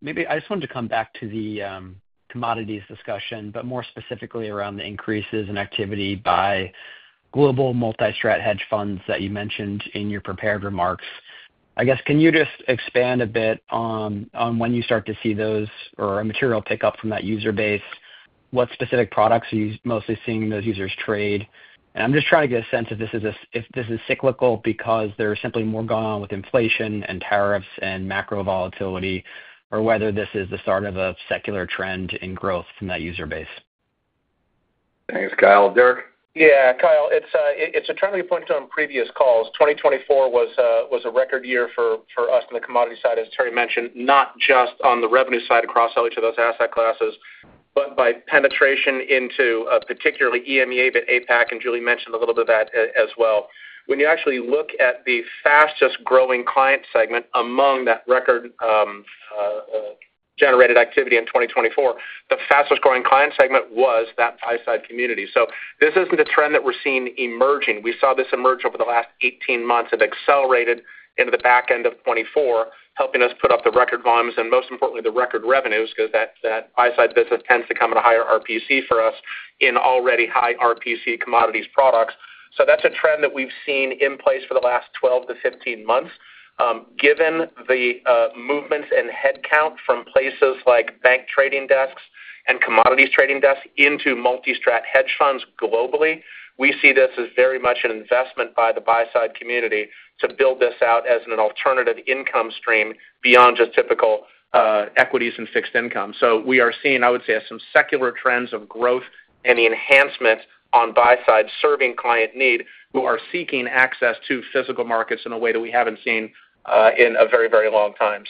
Maybe I just wanted to come back to the commodities discussion, but more specifically around the increases in activity by global multi-strat hedge funds that you mentioned in your prepared remarks. I guess, can you just expand a bit on when you start to see those or a material pickup from that user base? What specific products are you mostly seeing those users trade? And I'm just trying to get a sense if this is cyclical because there is simply more going on with inflation and tariffs and macro volatility, or whether this is the start of a secular trend in growth from that user base. Thanks, Kyle. Derek? Yeah. Kyle, it's a trend we pointed on previous calls. 2024 was a record year for us on the commodity side, as Terry mentioned, not just on the revenue side across all each of those asset classes, but by penetration into particularly EMEA, but APAC, and Julie mentioned a little bit of that as well. When you actually look at the fastest growing client segment among that record-generated activity in 2024, the fastest growing client segment was that buy-side community. So this isn't a trend that we're seeing emerging. We saw this emerge over the last 18 months and accelerated into the back end of 2024, helping us put up the record volumes and, most importantly, the record revenues because that buy-side business tends to come at a higher RPC for us in already high RPC commodities products. That's a trend that we've seen in place for the last 12-15 months. Given the movements and headcount from places like bank trading desks and commodities trading desks into multi-strat hedge funds globally, we see this as very much an investment by the buy side community to build this out as an alternative income stream beyond just typical equities and fixed income. We are seeing, I would say, some secular trends of growth and the enhancement on buy side serving client need who are seeking access to physical markets in a way that we haven't seen in a very, very long time.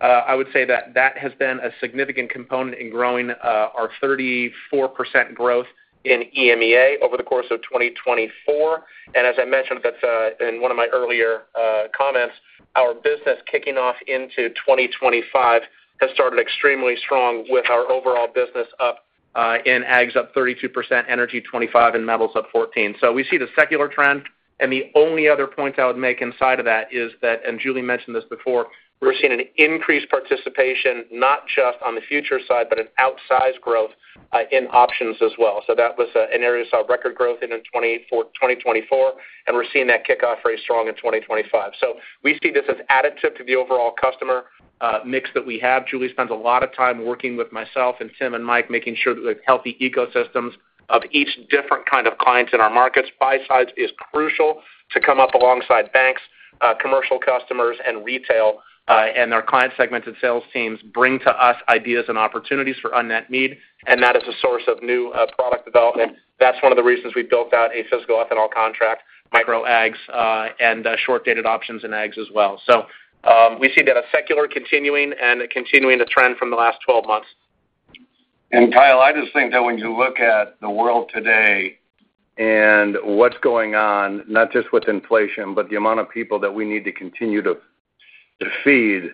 I would say that that has been a significant component in growing our 34% growth in EMEA over the course of 2024. And, as I mentioned in one of my earlier comments, our business kicking off into 2025 has started extremely strong with our overall business up in ags up 32%, energy 25%, and metals up 14%. So we see the secular trend. And the only other point I would make inside of that is that, and Julie mentioned this before, we're seeing an increased participation not just on the futures side, but an outsized growth in options as well. So that was an area we saw record growth in 2024, and we're seeing that kickoff very strong in 2025. So we see this as additive to the overall customer mix that we have. Julie spends a lot of time working with myself and Tim and Mike making sure that we have healthy ecosystems of each different kind of clients in our markets. side is crucial to come up alongside banks, commercial customers, and retail, and our client-segmented sales teams bring to us ideas and opportunities for unmet need, and that is a source of new product development. That's one of the reasons we built out a physical ethanol contract, micro ags, and short-dated options in ags as well, so we see that as secularly continuing the trend from the last 12 months. And Kyle, I just think that when you look at the world today and what's going on, not just with inflation, but the amount of people that we need to continue to feed,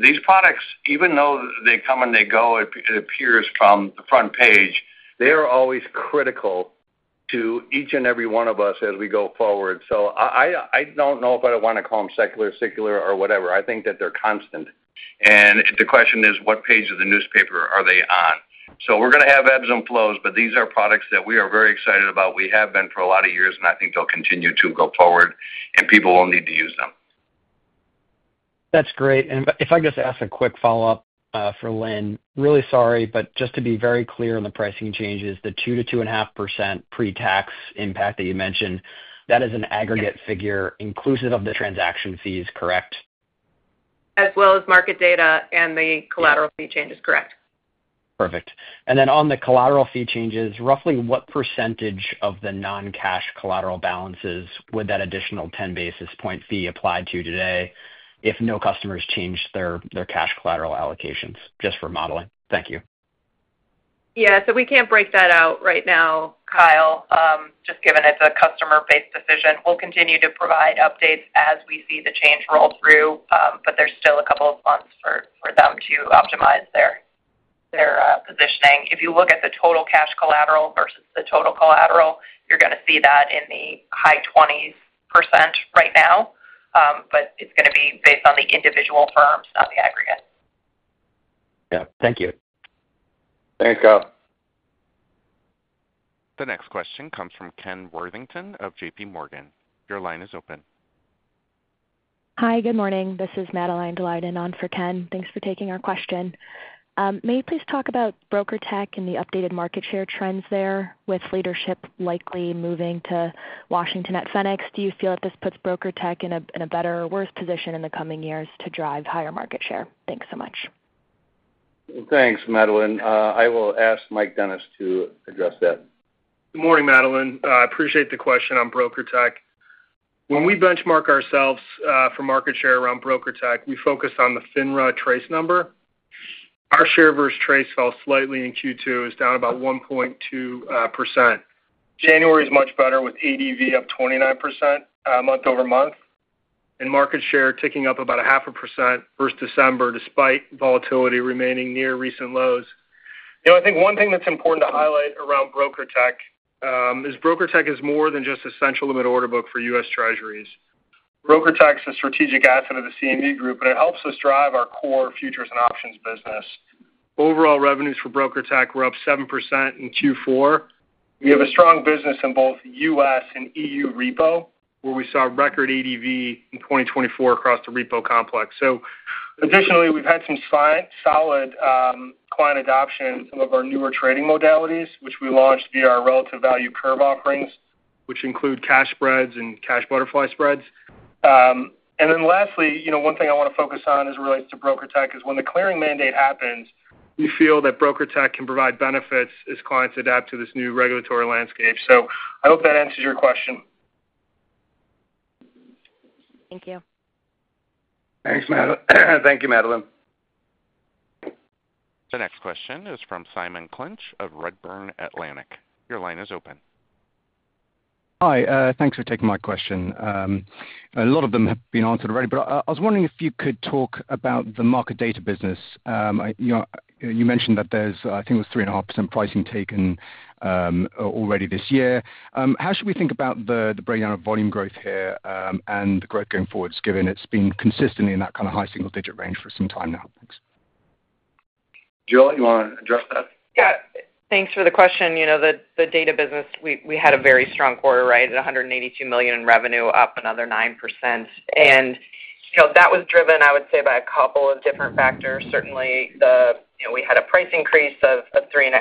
these products, even though they come and they go, it appears from the front page, they are always critical to each and every one of us as we go forward. So I don't know if I want to call them secular, secular, or whatever. I think that they're constant. And the question is, what page of the newspaper are they on? So we're going to have ebbs and flows, but these are products that we are very excited about. We have been for a lot of years, and I think they'll continue to go forward, and people will need to use them. That's great. And if I just ask a quick follow-up for Lynne, really sorry, but just to be very clear on the pricing changes, the 2%-2.5% pre-tax impact that you mentioned, that is an aggregate figure inclusive of the transaction fees, correct? As well as market data and the collateral fee changes, correct. Perfect. And then on the collateral fee changes, roughly what percentage of the non-cash collateral balances would that additional 10 basis points fee apply to today if no customers change their cash collateral allocations? Just for modeling. Thank you. Yeah. So we can't break that out right now, Kyle, just given it's a customer-based decision. We'll continue to provide updates as we see the change roll through, but there's still a couple of months for them to optimize their positioning. If you look at the total cash collateral versus the total collateral, you're going to see that in the high 20% right now, but it's going to be based on the individual firms, not the aggregate. Yeah. Thank you. Thanks, Kyle. The next question comes from Ken Worthington of JPMorgan. Your line is open. Hi, good morning. This is Madeline Daleiden on for Ken. Thanks for taking our question. May you please talk about BrokerTec and the updated market share trends there with leadership likely moving to Washington at the Fed? Do you feel that this puts BrokerTec in a better or worse position in the coming years to drive higher market share? Thanks so much. Thanks, Madeline. I will ask Mike Dennis to address that. Good morning, Madeline. I appreciate the question on BrokerTec. When we benchmark ourselves for market share around BrokerTec, we focus on the FINRA TRACE number. Our share versus TRACE fell slightly in Q2. It was down about 1.2%. January is much better with ADV up 29% month over month, and market share ticking up about 0.5% versus December despite volatility remaining near recent lows. I think one thing that's important to highlight around BrokerTec is BrokerTec is more than just central limit order book for U.S. Treasuries. BrokerTec is a strategic asset of the CME Group, and it helps us drive our core futures and options business. Overall revenues for BrokerTec were up 7% in Q4. We have a strong business in both U.S. and EU repo, where we saw record ADV in 2024 across the repo complex. So additionally, we've had some solid client adoption in some of our newer trading modalities, which we launched via our relative value curve offerings, which include cash spreads and cash butterfly spreads. And then lastly, one thing I want to focus on as it relates to BrokerTec is when the clearing mandate happens, we feel that BrokerTec can provide benefits as clients adapt to this new regulatory landscape. So I hope that answers your question. Thank you. Thanks, Madeline. Thank you, Madeline. The next question is from Simon Clinch of Redburn Atlantic. Your line is open. Hi. Thanks for taking my question. A lot of them have been answered already, but I was wondering if you could talk about the market data business. You mentioned that there's, I think it was 3.5% pricing taken already this year. How should we think about the breakdown of volume growth here and the growth going forward, given it's been consistently in that kind of high single-digit range for some time now? Thanks. Julie, you want to address that? Yeah. Thanks for the question. The data business, we had a very strong quarter, right? $182 million in revenue, up another 9%. And that was driven, I would say, by a couple of different factors. Certainly, we had a price increase of 3.5%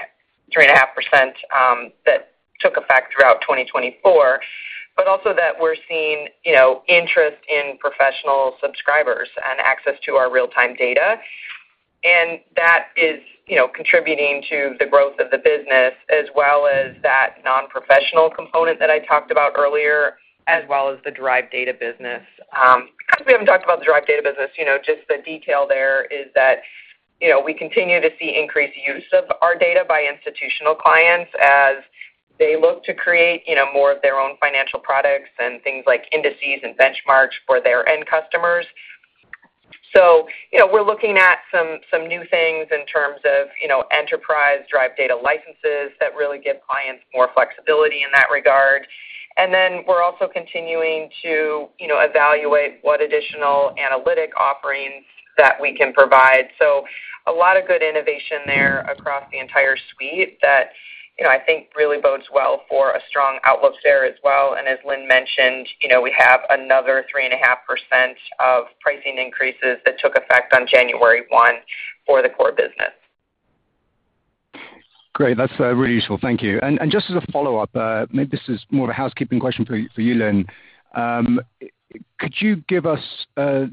that took effect throughout 2024, but also that we're seeing interest in professional subscribers and access to our real-time data. And that is contributing to the growth of the business, as well as that non-professional component that I talked about earlier, as well as the derived data business. Because we haven't talked about the derived data business, just the detail there is that we continue to see increased use of our data by institutional clients as they look to create more of their own financial products and things like indices and benchmarks for their end customers. We're looking at some new things in terms of enterprise derived data licenses that really give clients more flexibility in that regard. We're also continuing to evaluate what additional analytic offerings that we can provide. There's a lot of good innovation there across the entire suite that I think really bodes well for a strong outlook there as well. As Lynne mentioned, we have another 3.5% pricing increases that took effect on January 1 for the core business. Great. That's really useful. Thank you. And just as a follow-up, maybe this is more of a housekeeping question for you, Lynne. Could you give us the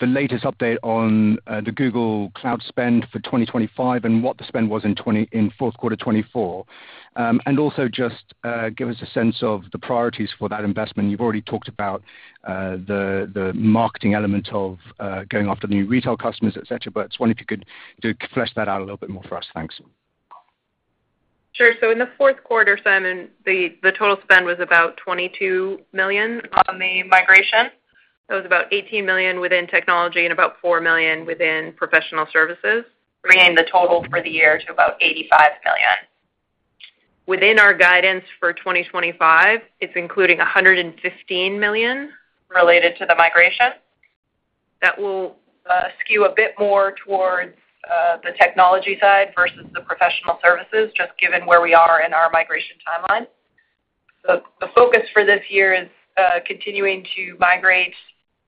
latest update on the Google Cloud spend for 2025 and what the spend was in fourth quarter 2024? And also just give us a sense of the priorities for that investment. You've already talked about the marketing element of going after new retail customers, etc. But I just wonder if you could flesh that out a little bit more for us. Thanks. Sure. So in the fourth quarter, Simon, the total spend was about $22 million on the migration. That was about $18 million within technology and about $4 million within professional services, bringing the total for the year to about $85 million. Within our guidance for 2025, it's including $115 million related to the migration. That will skew a bit more towards the technology side versus the professional services, just given where we are in our migration timeline. The focus for this year is continuing to migrate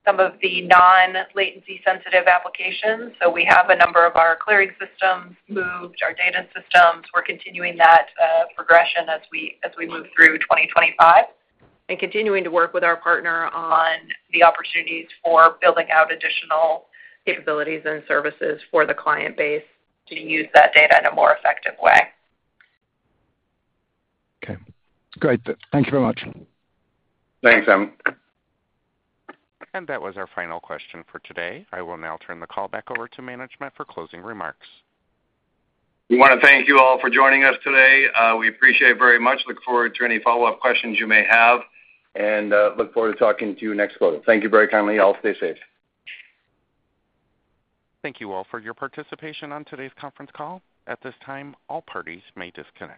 some of the non-latency-sensitive applications. So we have a number of our clearing systems moved, our data systems. We're continuing that progression as we move through 2025 and continuing to work with our partner on the opportunities for building out additional capabilities and services for the client base to use that data in a more effective way. Okay. Great. Thank you very much. Thanks, Simon. That was our final question for today. I will now turn the call back over to management for closing remarks. We want to thank you all for joining us today. We appreciate it very much. Look forward to any follow-up questions you may have, and look forward to talking to you next quarter. Thank you very kindly. All stay safe. Thank you all for your participation on today's conference call. At this time, all parties may disconnect.